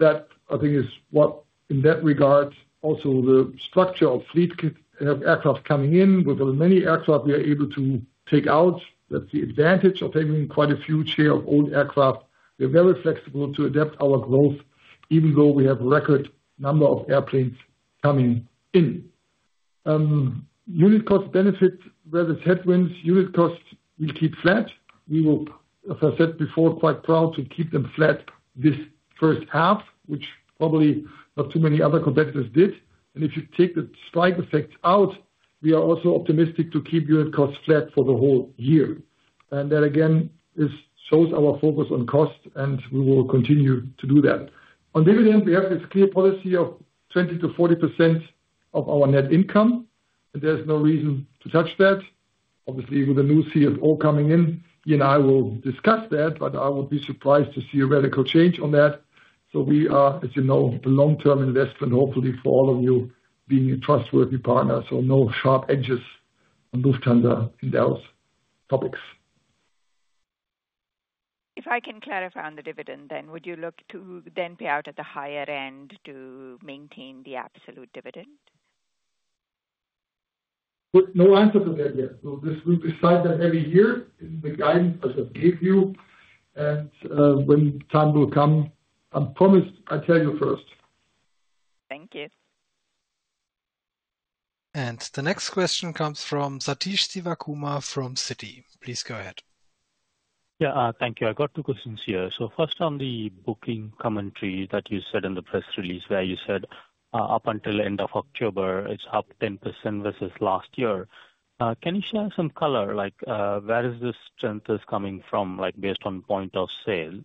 that, I think, is what, in that regard, also the structure of fleet of aircraft coming in, with the many aircraft we are able to take out, that's the advantage of having quite a few share of old aircraft. We're very flexible to adapt our growth, even though we have record number of airplanes coming in. Unit cost benefits versus headwinds, unit costs will keep flat. We will, as I said before, quite proud to keep them flat this first half, which probably not too many other competitors did. If you take the strike effect out, we are also optimistic to keep unit costs flat for the whole year. That, again, this shows our focus on cost, and we will continue to do that. On dividend, we have this clear policy of 20%-40% of our net income, and there's no reason to touch that. Obviously, with the new CFO coming in, you and I will discuss that, but I would be surprised to see a radical change on that. We are, as you know, the long-term investor, and hopefully for all of you, being a trustworthy partner, so no sharp edges on Lufthansa in those topics. If I can clarify on the dividend, then, would you look to then pay out at the higher end to maintain the absolute dividend? Well, no answer to that yet. So this, we decide that every year in the guidance, as I gave you, and, when time will come, I promise I'll tell you first. Thank you. The next question comes from Satish Sivakumar from Citi. Please go ahead. Yeah, thank you. I got two questions here. So first, on the booking commentary that you said in the press release, where you said, up until end of October, it's up 10% versus last year. Can you share some color, like, where is this strength is coming from, like, based on point of sale?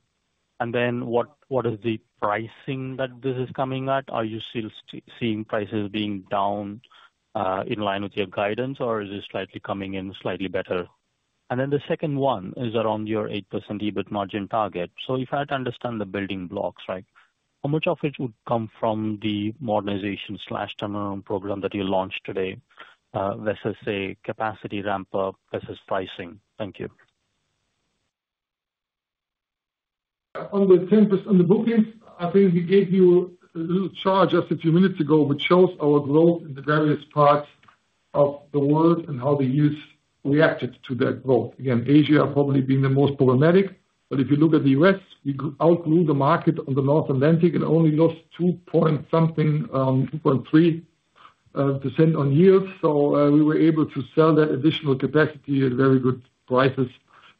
And then what is the pricing that this is coming at? Are you still seeing prices being down, in line with your guidance, or is it slightly coming in slightly better? And then the second one is around your 8% EBIT margin target. So if I had to understand the building blocks, right, how much of it would come from the modernization/turnaround program that you launched today, versus, say, capacity ramp up versus pricing? Thank you. On the tempo of the bookings, I think we gave you a little chart just a few minutes ago, which shows our growth in the various parts of the world and how the yield reacted to that growth. Again, Asia probably being the most problematic, but if you look at the U.S., we outgrew the market on the North Atlantic and only lost 2.3% on yield. So, we were able to sell that additional capacity at very good prices.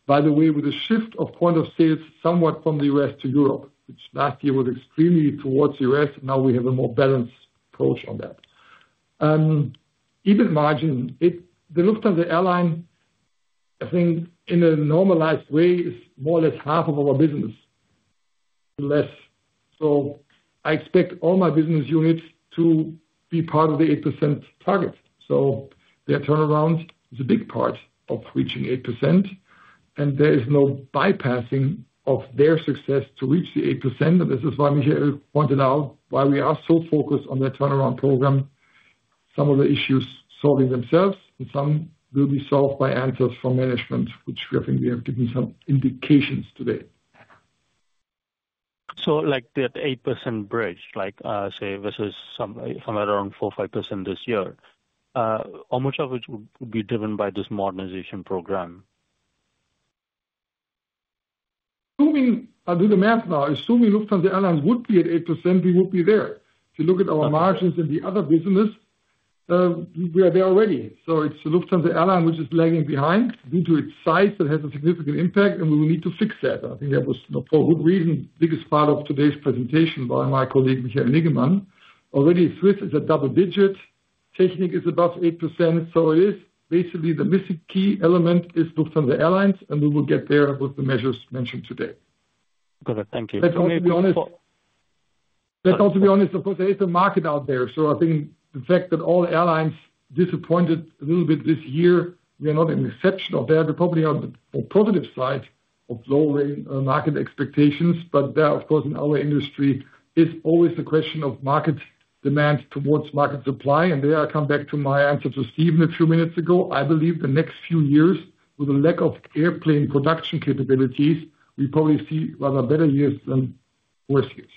By the way, with the shift of points of sale somewhat from the U.S. to Europe, which last year was extremely towards U.S., now we have a more balanced approach on that. EBIT margin, the outlook on the airline, I think in a normalized way, is more or less half of our business, less. So I expect all my business units to be part of the 8% target. So their turnaround is a big part of reaching 8%, and there is no bypassing of their success to reach the 8%. This is why Michael pointed out why we are so focused on the turnaround program. Some of the issues solving themselves, and some will be solved by answers from management, which I think we have given some indications today. Like, that 8% bridge, like, say, versus somewhere around 4-5% this year, how much of it would be driven by this modernization program? Assuming I do the math now, assuming Lufthansa Airlines would be at 8%, we would be there. If you look at our margins in the other business, we are there already. So it's Lufthansa Airlines, which is lagging behind due to its size and has a significant impact, and we will need to fix that. I think that was, for good reason, the biggest part of today's presentation by my colleague, Michael Niggemann. Already SWISS is a double digit. Technik is above 8%, so it is basically the missing key element is Lufthansa Airlines, and we will get there with the measures mentioned today. Got it. Thank you. Let's also be honest, of course, there is a market out there, so I think the fact that all airlines disappointed a little bit this year, we are not an exception of that. We're probably on the positive side of lowering market expectations, but there, of course, in our industry, it's always a question of market demand towards market supply. And there I come back to my answer to Steven a few minutes ago. I believe the next few years, with a lack of airplane production capabilities, we probably see rather better years than worse years.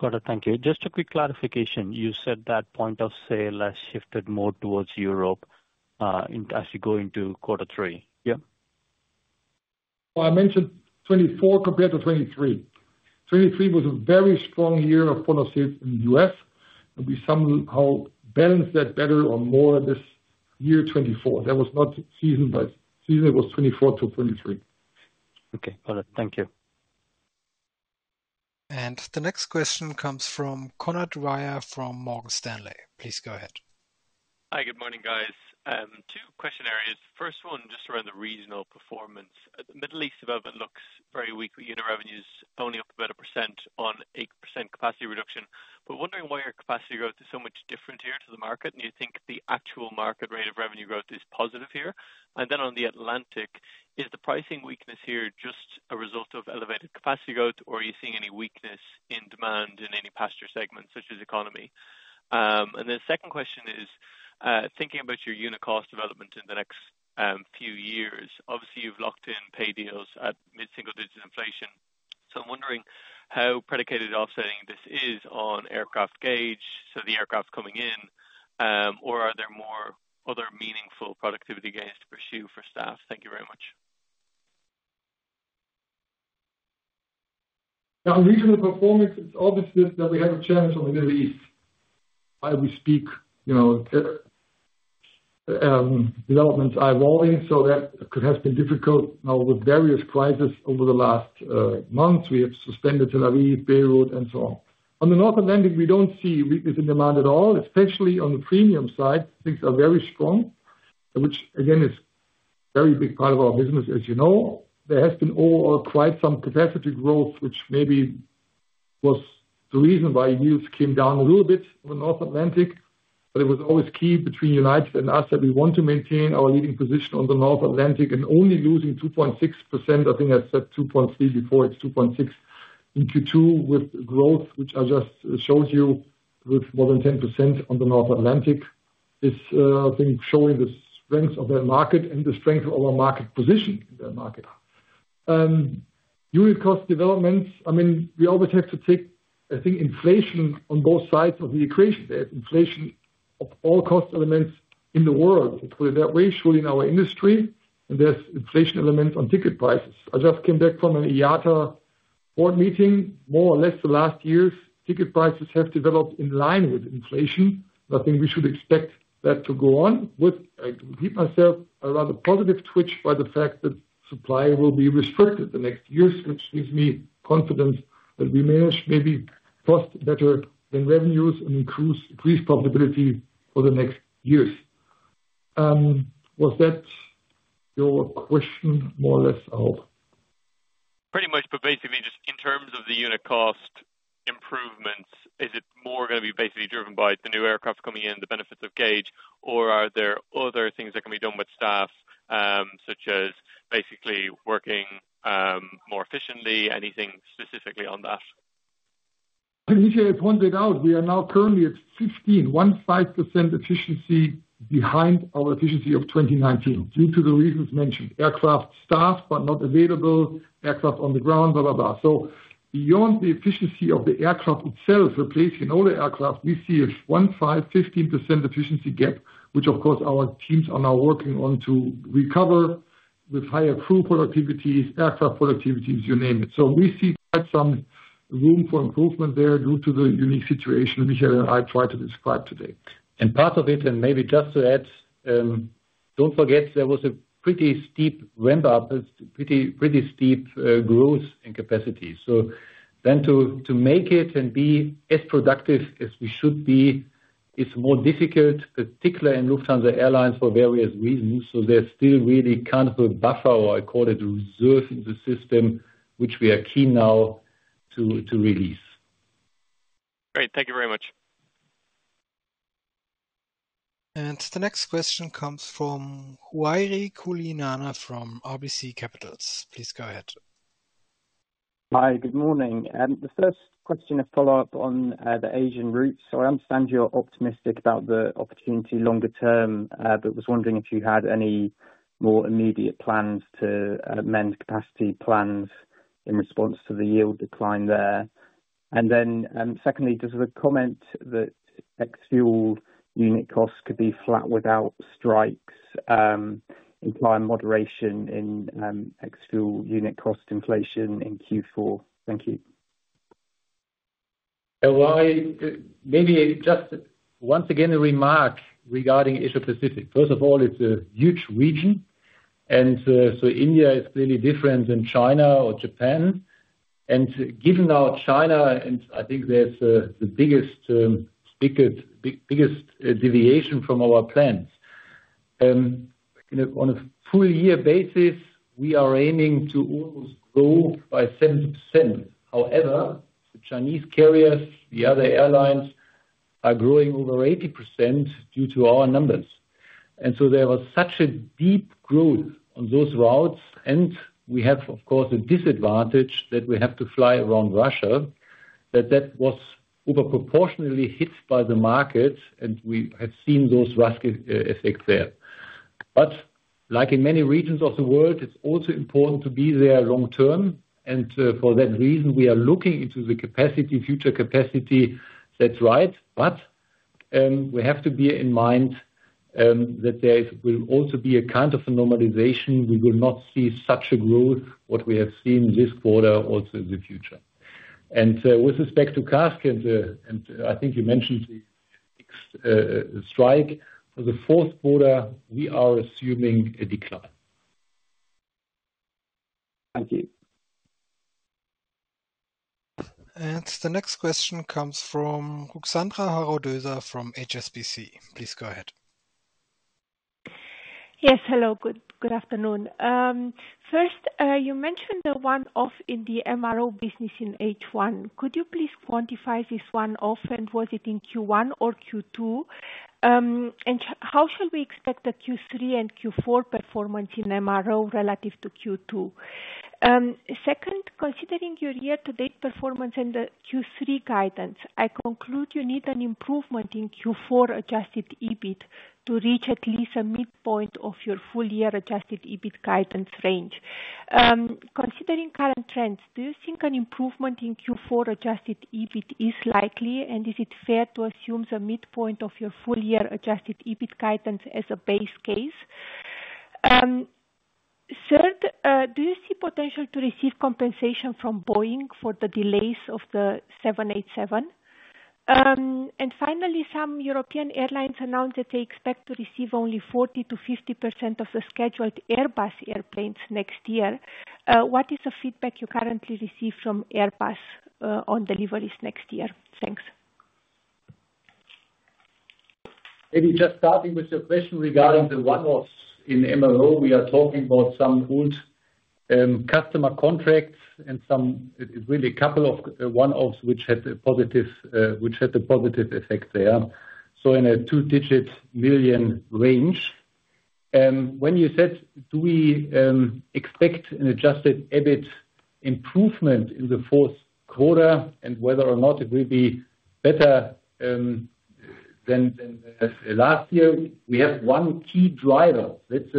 Got it. Thank you. Just a quick clarification. You said that point of sale has shifted more towards Europe, as you go into quarter three? Yeah. Well, I mentioned 2024 compared to 2023. 2023 was a very strong year of point of sale in the US, and we somehow balanced that better or more this year, 2024. That was not season, but season was 2024 to 2023. Okay, got it. Thank you. The next question comes from Conor Dwyer from Morgan Stanley. Please go ahead. Hi, good morning, guys. Two question areas. First one, just around the regional performance. The Middle East development looks very weak, with unit revenues only up about 1% on 8% capacity reduction. But wondering why your capacity growth is so much different here to the market, and you think the actual market rate of revenue growth is positive here? And then on the Atlantic, is the pricing weakness here just a result of elevated capacity growth, or are you seeing any weakness in demand in any passenger segments, such as economy? And the second question is, thinking about your unit cost development in the next, few years. Obviously, you've locked in pay deals at mid-single digit inflation. So I'm wondering how predicated offsetting this is on aircraft gauge, so the aircraft coming in, or are there more other meaningful productivity gains to pursue for staff? Thank you very much. The regional performance, it's obvious that, that we have a challenge on the Middle East. While we speak, you know, developments are evolving, so that could have been difficult. Now, with various crises over the last months, we have suspended Tel Aviv, Beirut, and so on. On the North Atlantic, we don't see weakness in demand at all, especially on the premium side. Things are very strong, which again, is a very big part of our business, as you know. There has been all, or quite some capacity growth, which maybe was the reason why yields came down a little bit on the North Atlantic. But it was always key between United and us that we want to maintain our leading position on the North Atlantic and only losing 2.6%. I think I said 2.3 before, it's 2.6. In Q2 with growth, which I just showed you, with more than 10% on the North Atlantic, is, I think, showing the strength of that market and the strength of our market position in that market. Unit cost developments, I mean, we always have to take, I think, inflation on both sides of the equation. There's inflation of all cost elements in the world. It's very real in our industry, and there's inflation elements on ticket prices. I just came back from an IATA board meeting, more or less the last year's ticket prices have developed in line with inflation. I think we should expect that to go on. But I repeat myself, a rather positive twitch by the fact that supply will be restricted the next years, which gives me confidence that we may manage, maybe cost better than revenues and increase, increase profitability for the next years. Was that your question? More or less, I hope. Pretty much, but basically, just in terms of the unit cost improvements, is it more going to be basically driven by the new aircraft coming in, the benefits of gauge? Or are there other things that can be done with staff, such as basically working more efficiently? Anything specifically on that? As pointed out, we are now currently at 15% efficiency behind our efficiency of 2019, due to the reasons mentioned: aircraft staff, but not available, aircraft on the ground, blah, blah, blah. So beyond the efficiency of the aircraft itself, replacing all the aircraft, we see a 15% efficiency gap, which of course, our teams are now working on to recover with higher crew productivity, aircraft productivity, you name it. So we see quite some room for improvement there due to the unique situation Michael and I tried to describe today. And part of it, and maybe just to add, don't forget, there was a pretty steep ramp up. It's pretty steep growth in capacity. So then to make it and be as productive as we should be, it's more difficult, particularly in Lufthansa Airlines, for various reasons. So there's still really kind of a buffer, or I call it a reserve in the system, which we are keen now to release. Great. Thank you very much. The next question comes from Ruairi Cullinane from RBC Capital Markets. Please go ahead. Hi, good morning. The first question, a follow-up on the Asian routes. So I understand you're optimistic about the opportunity longer term, but was wondering if you had any more immediate plans to amend capacity plans in response to the yield decline there? And then, secondly, just as a comment that ex-fuel unit costs could be flat without strikes imply moderation in ex-fuel unit cost inflation in Q4. Thank you. And why—maybe just once again, a remark regarding Asia Pacific. First of all, it's a huge region, and so India is really different than China or Japan. And given now China, and I think that's the biggest deviation from our plan. You know, on a full year basis, we are aiming to almost grow by 7%. However, the Chinese carriers, the other airlines, are growing over 80% due to our numbers. And so there was such a deep growth on those routes, and we have, of course, a disadvantage that we have to fly around Russia, that that was over proportionally hit by the market, and we have seen those drastic effects there. But like in many regions of the world, it's also important to be there long term, and for that reason, we are looking into the capacity, future capacity. That's right. But we have to be in mind that there will also be a kind of a normalization. We will not see such a growth, what we have seen this quarter, also in the future. And with respect to CASK, and I think you mentioned the strike. For the fourth quarter, we are assuming a decline. Thank you. The next question comes from Ruxandra Haradau-Doser from HSBC. Please go ahead. Yes, hello. Good afternoon. First, you mentioned the one-off in the MRO business in H1. Could you please quantify this one-off, and was it in Q1 or Q2? And how shall we expect the Q3 and Q4 performance in MRO relative to Q2? Second, considering your year-to-date performance and the Q3 guidance, I conclude you need an improvement in Q4 adjusted EBIT to reach at least a midpoint of your full year adjusted EBIT guidance range. Considering current trends, do you think an improvement in Q4 adjusted EBIT is likely, and is it fair to assume the midpoint of your full year adjusted EBIT guidance as a base case? Third, do you see potential to receive compensation from Boeing for the delays of the 787? And finally, some European airlines announced that they expect to receive only 40%-50% of the scheduled Airbus airplanes next year. What is the feedback you currently receive from Airbus on deliveries next year? Thanks. Maybe just starting with your question regarding the one-offs in MRO, we are talking about some old customer contracts and some really couple of one-offs, which had a positive effect there. So in a two-digit million EUR range. When you said, do we expect an Adjusted EBIT improvement in the fourth quarter and whether or not it will be better than last year? We have one key driver. That's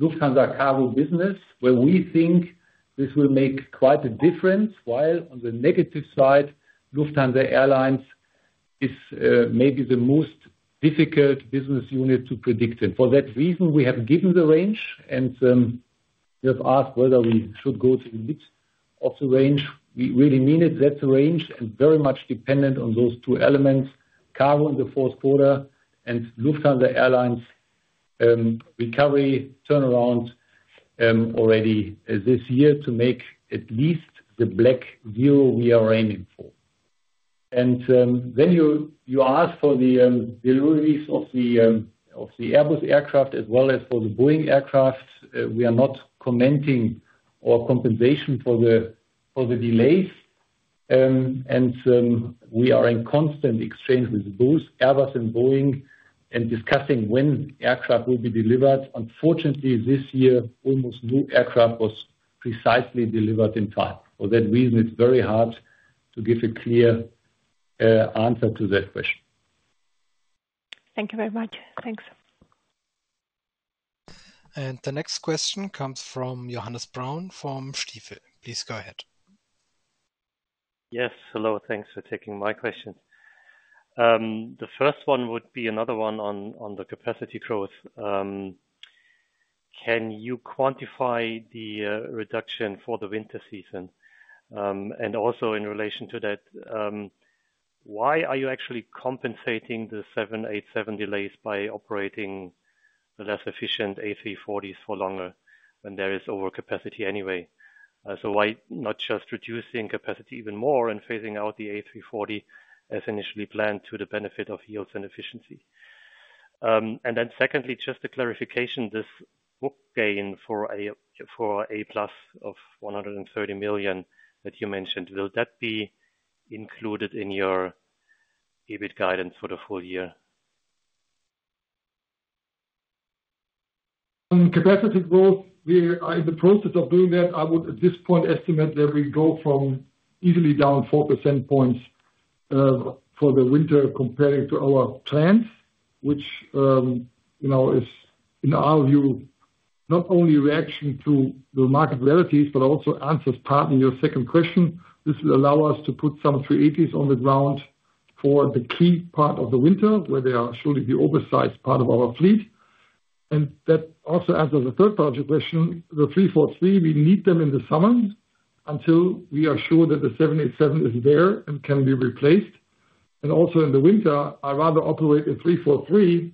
Lufthansa Cargo business, where we think this will make quite a difference, while on the negative side, Lufthansa Airlines- is, maybe the most difficult business unit to predict it. For that reason, we have given the range, and, you have asked whether we should go to the mid of the range. We really mean it, that range, and very much dependent on those two elements, cargo in the fourth quarter and Lufthansa Airlines, recovery turnaround, already this year to make at least the black zero we are aiming for. And, then you, you asked for the, deliveries of the, of the Airbus aircraft as well as for the Boeing aircraft. We are not commenting on compensation for the, for the delays, and, we are in constant exchange with both Airbus and Boeing and discussing when aircraft will be delivered. Unfortunately, this year, almost no aircraft was precisely delivered in time. For that reason, it's very hard to give a clear answer to that question. Thank you very much. Thanks. The next question comes from Johannes Braun from Stifel. Please go ahead. Yes, hello, thanks for taking my question. The first one would be another one on the capacity growth. Can you quantify the reduction for the winter season? And also in relation to that, why are you actually compensating the 787 delays by operating the less efficient A340s for longer when there is overcapacity anyway? So why not just reducing capacity even more and phasing out the A340 as initially planned to the benefit of yields and efficiency? And then secondly, just a clarification, this book gain of a plus of 130 million that you mentioned, will that be included in your EBIT guidance for the full year? On capacity growth, we are in the process of doing that. I would, at this point, estimate that we go from easily down 4 percentage points, for the winter comparing to our plans, which, you know, is in our view, not only reaction to the market realities, but also answers part of your second question. This will allow us to put some A380s on the ground for the key part of the winter, where they are surely the oversized part of our fleet. And that also answers the third part of your question, the A340-300, we need them in the summer until we are sure that the 787 is there and can be replaced. And also in the winter, I rather operate an A340-300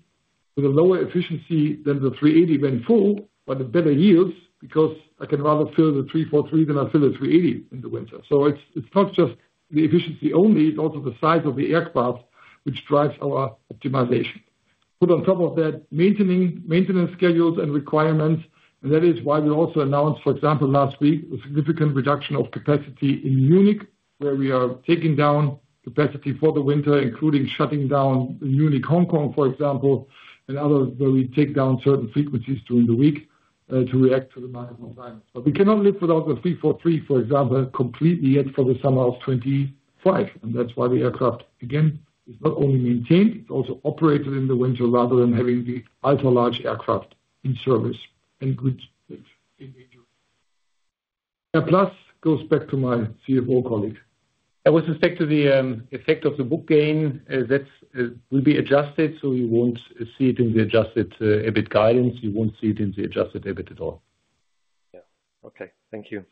with a lower efficiency than the A380 when full, but the better yields, because I can rather fill the A340-300 than I fill the A380 in the winter. So it's, it's not just the efficiency only, it's also the size of the aircraft which drives our optimization. Put on top of that, maintaining maintenance schedules and requirements, and that is why we also announced, for example, last week, a significant reduction of capacity in Munich, where we are taking down capacity for the winter, including shutting down Munich, Hong Kong, for example, and others, where we take down certain frequencies during the week, to react to the market on time. But we cannot live without the A340-300, for example, completely yet for the summer of 2025, and that's why the aircraft again is not only maintained, it's also operated in the winter rather than having the ultra-large aircraft in service and good stage in the future. Now, plus goes back to my CFO colleague. With respect to the effect of the book gain, that will be adjusted, so you won't see it in the adjusted EBIT guidance. You won't see it in the adjusted EBIT at all. Yeah. Okay, thank you.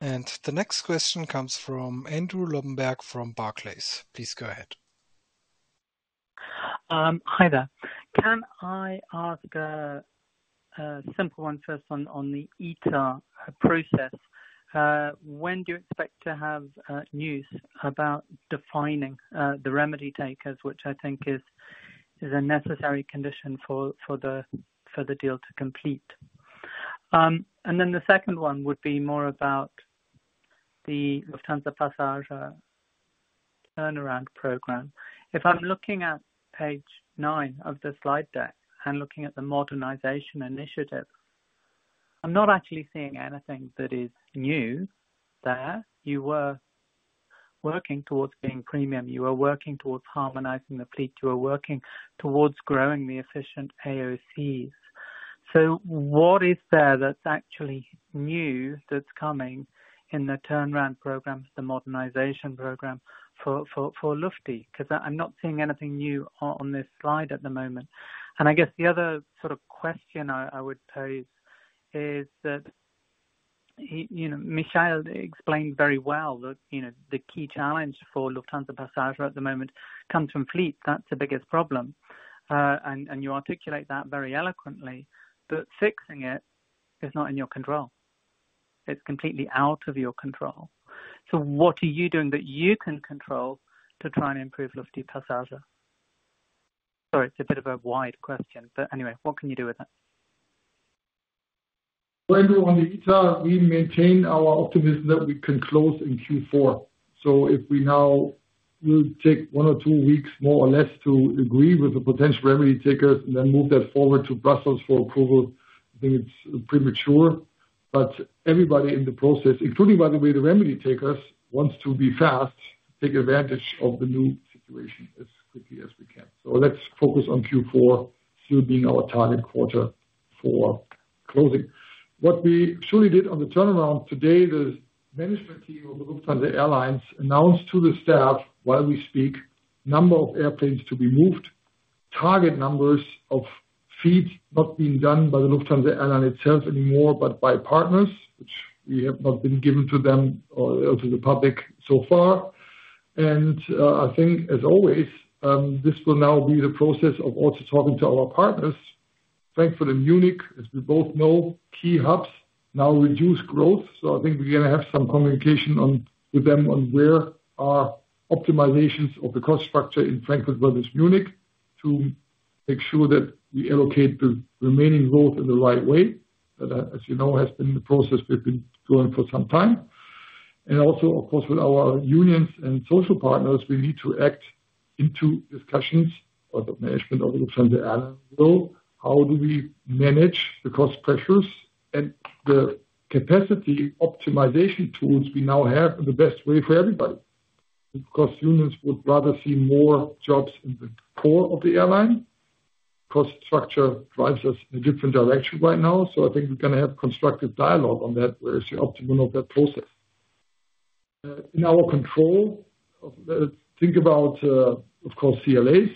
The next question comes from Andrew Lobbenberg from Barclays. Please go ahead. Hi there. Can I ask a simple one, first one on the ITA process? When do you expect to have news about defining the remedy takers, which I think is a necessary condition for the deal to complete? And then the second one would be more about the Lufthansa Passenger turnaround program. If I'm looking at page 9 of the slide deck and looking at the modernization initiative, I'm not actually seeing anything that is new there. You were working towards being premium. You are working towards harmonizing the fleet. You are working towards growing the efficient AOC. So what is there that's actually new, that's coming in the turnaround program, the modernization program for Lufthansa? Because I'm not seeing anything new on this slide at the moment. And I guess the other sort of question I would pose is that, you know, Michael explained very well that, you know, the key challenge for Lufthansa Passenger at the moment comes from fleet. That's the biggest problem, and you articulate that very eloquently, but fixing it is not in your control. It's completely out of your control. So what are you doing that you can control to try and improve Lufthansa Passenger? Sorry, it's a bit of a wide question, but anyway, what can you do with that? Well, Andrew, on the ITA, we maintain our optimism that we can close in Q4. So if we now will take 1 or 2 weeks, more or less, to agree with the potential remedy takers and then move that forward to Brussels for approval, I think it's premature. But everybody in the process, including, by the way, the remedy takers, wants to be fast, take advantage of the new situation as quickly as we can. So let's focus on Q4 still being our target quarter for closing. What we surely did on the turnaround today, the management team of the Lufthansa Airlines announced to the staff, while we speak, number of airplanes to be moved, target numbers of seats not being done by the Lufthansa Airline itself anymore, but by partners, which we have not been given to them or to the public so far. I think as always, this will now be the process of also talking to our partners. Thankfully, in Munich, as we both know, key hubs now reduce growth. I think we're going to have some communication on, with them on where are optimizations of the cost structure in Frankfurt versus Munich, to make sure that we allocate the remaining growth in the right way. But as you know, has been in the process, we've been going for some time. Also, of course, with our unions and social partners, we need to act into discussions of the management of the Lufthansa Airlines. So how do we manage the cost pressures and the capacity optimization tools we now have in the best way for everybody? Because unions would rather see more jobs in the core of the airline. Cost structure drives us in a different direction right now, so I think we're going to have constructive dialogue on that, where is the optimum of that process. In our control, think about, of course, CLAs,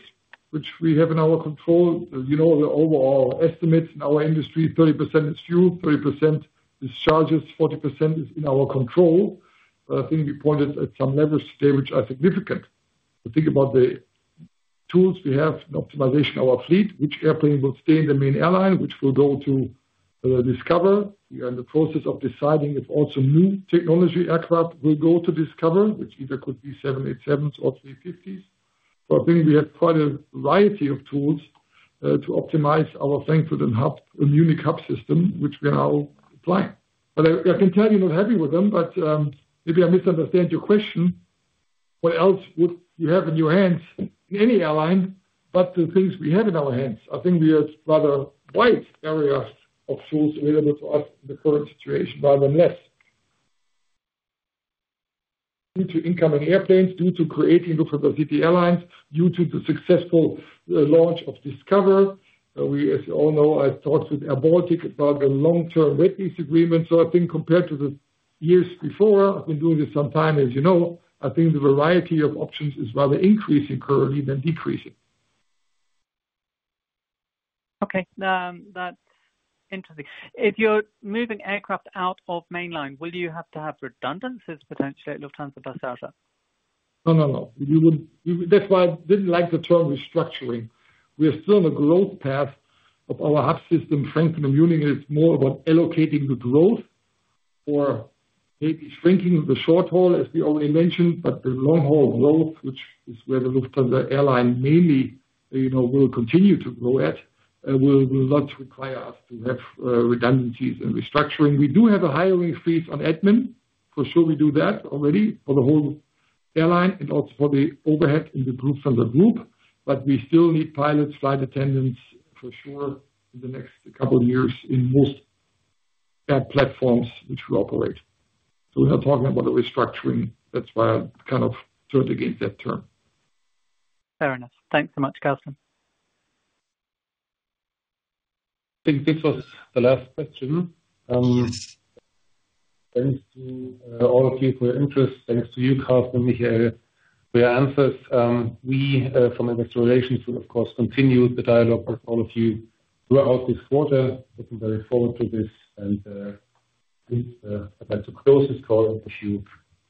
which we have in our control. You know, the overall estimates in our industry, 30% is fuel, 30% discharges, 40% is in our control. But I think we pointed at some levels today which are significant. So think about the tools we have in optimization of our fleet, which airplane will stay in the main airline, which will go to, Discover. We are in the process of deciding if also new technology aircraft will go to Discover, which either could be 787s or 350s. But I think we have quite a variety of tools to optimize our Frankfurt hub and Munich hub system, which we are now applying. But I can tell you I'm not happy with them, but maybe I misunderstand your question. What else would you have in your hands in any airline, but the things we have in our hands? I think we have rather wide areas of tools available to us in the current situation, rather than less. Due to incoming airplanes, due to creating Lufthansa City Airlines, due to the successful launch of Discover. We, as you all know, I talked with airBaltic about the long-term wet lease agreement. So I think compared to the years before, I've been doing this some time, as you know, I think the variety of options is rather increasing currently than decreasing. Okay, that's interesting. If you're moving aircraft out of mainline, will you have to have redundancies, potentially, at Lufthansa Passage? No, no, no. We will. That's why I didn't like the term restructuring. We are still on a growth path of our hub system. Frankfurt and Munich is more about allocating the growth or maybe shrinking the short haul, as we already mentioned. But the long haul growth, which is where the Lufthansa Airlines mainly, you know, will continue to grow at, will not require us to have redundancies and restructuring. We do have a hiring freeze on admin. For sure, we do that already for the whole airline and also for the overhead in the group, from the group. But we still need pilots, flight attendants, for sure, in the next couple of years in most platforms which we operate. So we're not talking about a restructuring. That's why I kind of turned against that term. Fair enough. Thanks so much, Carsten. I think this was the last question. Thanks to all of you for your interest. Thanks to you, Carsten, for your answers. We from investor relations will, of course, continue the dialogue with all of you throughout this quarter. Looking very forward to this, and I'd like to close this call. Wish you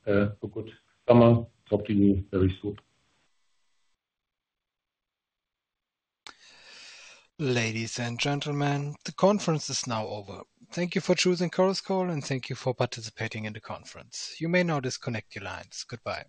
a good summer. Talk to you very soon. Ladies and gentlemen, the conference is now over. Thank you for choosing Chorus Call, and thank you for participating in the conference. You may now disconnect your lines. Goodbye.